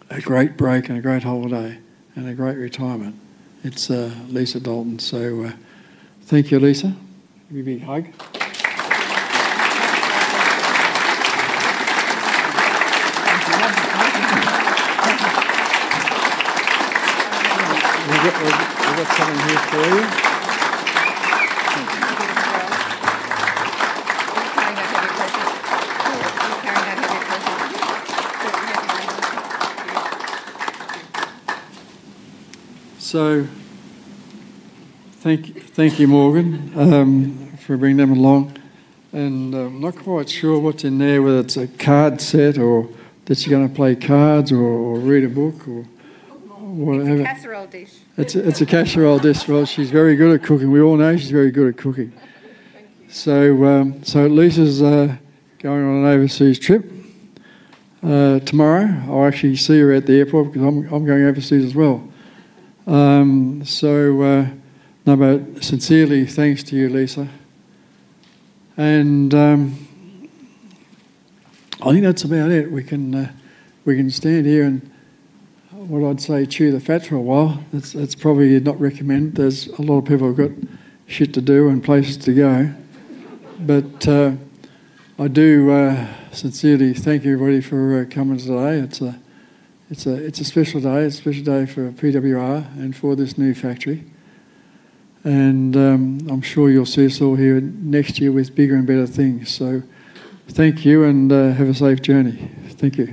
a great break and a great holiday and a great retirement, it's Lisa Dalton. Thank you, Lisa. Give me a big hug. We've got someone here for you. Thank you, Morgan, for bringing them along. I'm not quite sure what's in there, whether it's a card set or that she's going to play cards or read a book or whatever. It's a casserole dish. It's a casserole dish. She's very good at cooking. We all know she's very good at cooking. Thank you. Lisa's going on an overseas trip tomorrow. I'll actually see her at the airport because I'm going overseas as well. Sincerely, thanks to you, Lisa. I think that's about it. We can stand here and what I'd say, chew the fat for a while. That's probably not recommended. There's a lot of people who've got shit to do and places to go. I do sincerely thank everybody for coming today. It's a special day. It's a special day for PWR and for this new factory. I'm sure you'll see us all here next year with bigger and better things. Thank you and have a safe journey. Thank you.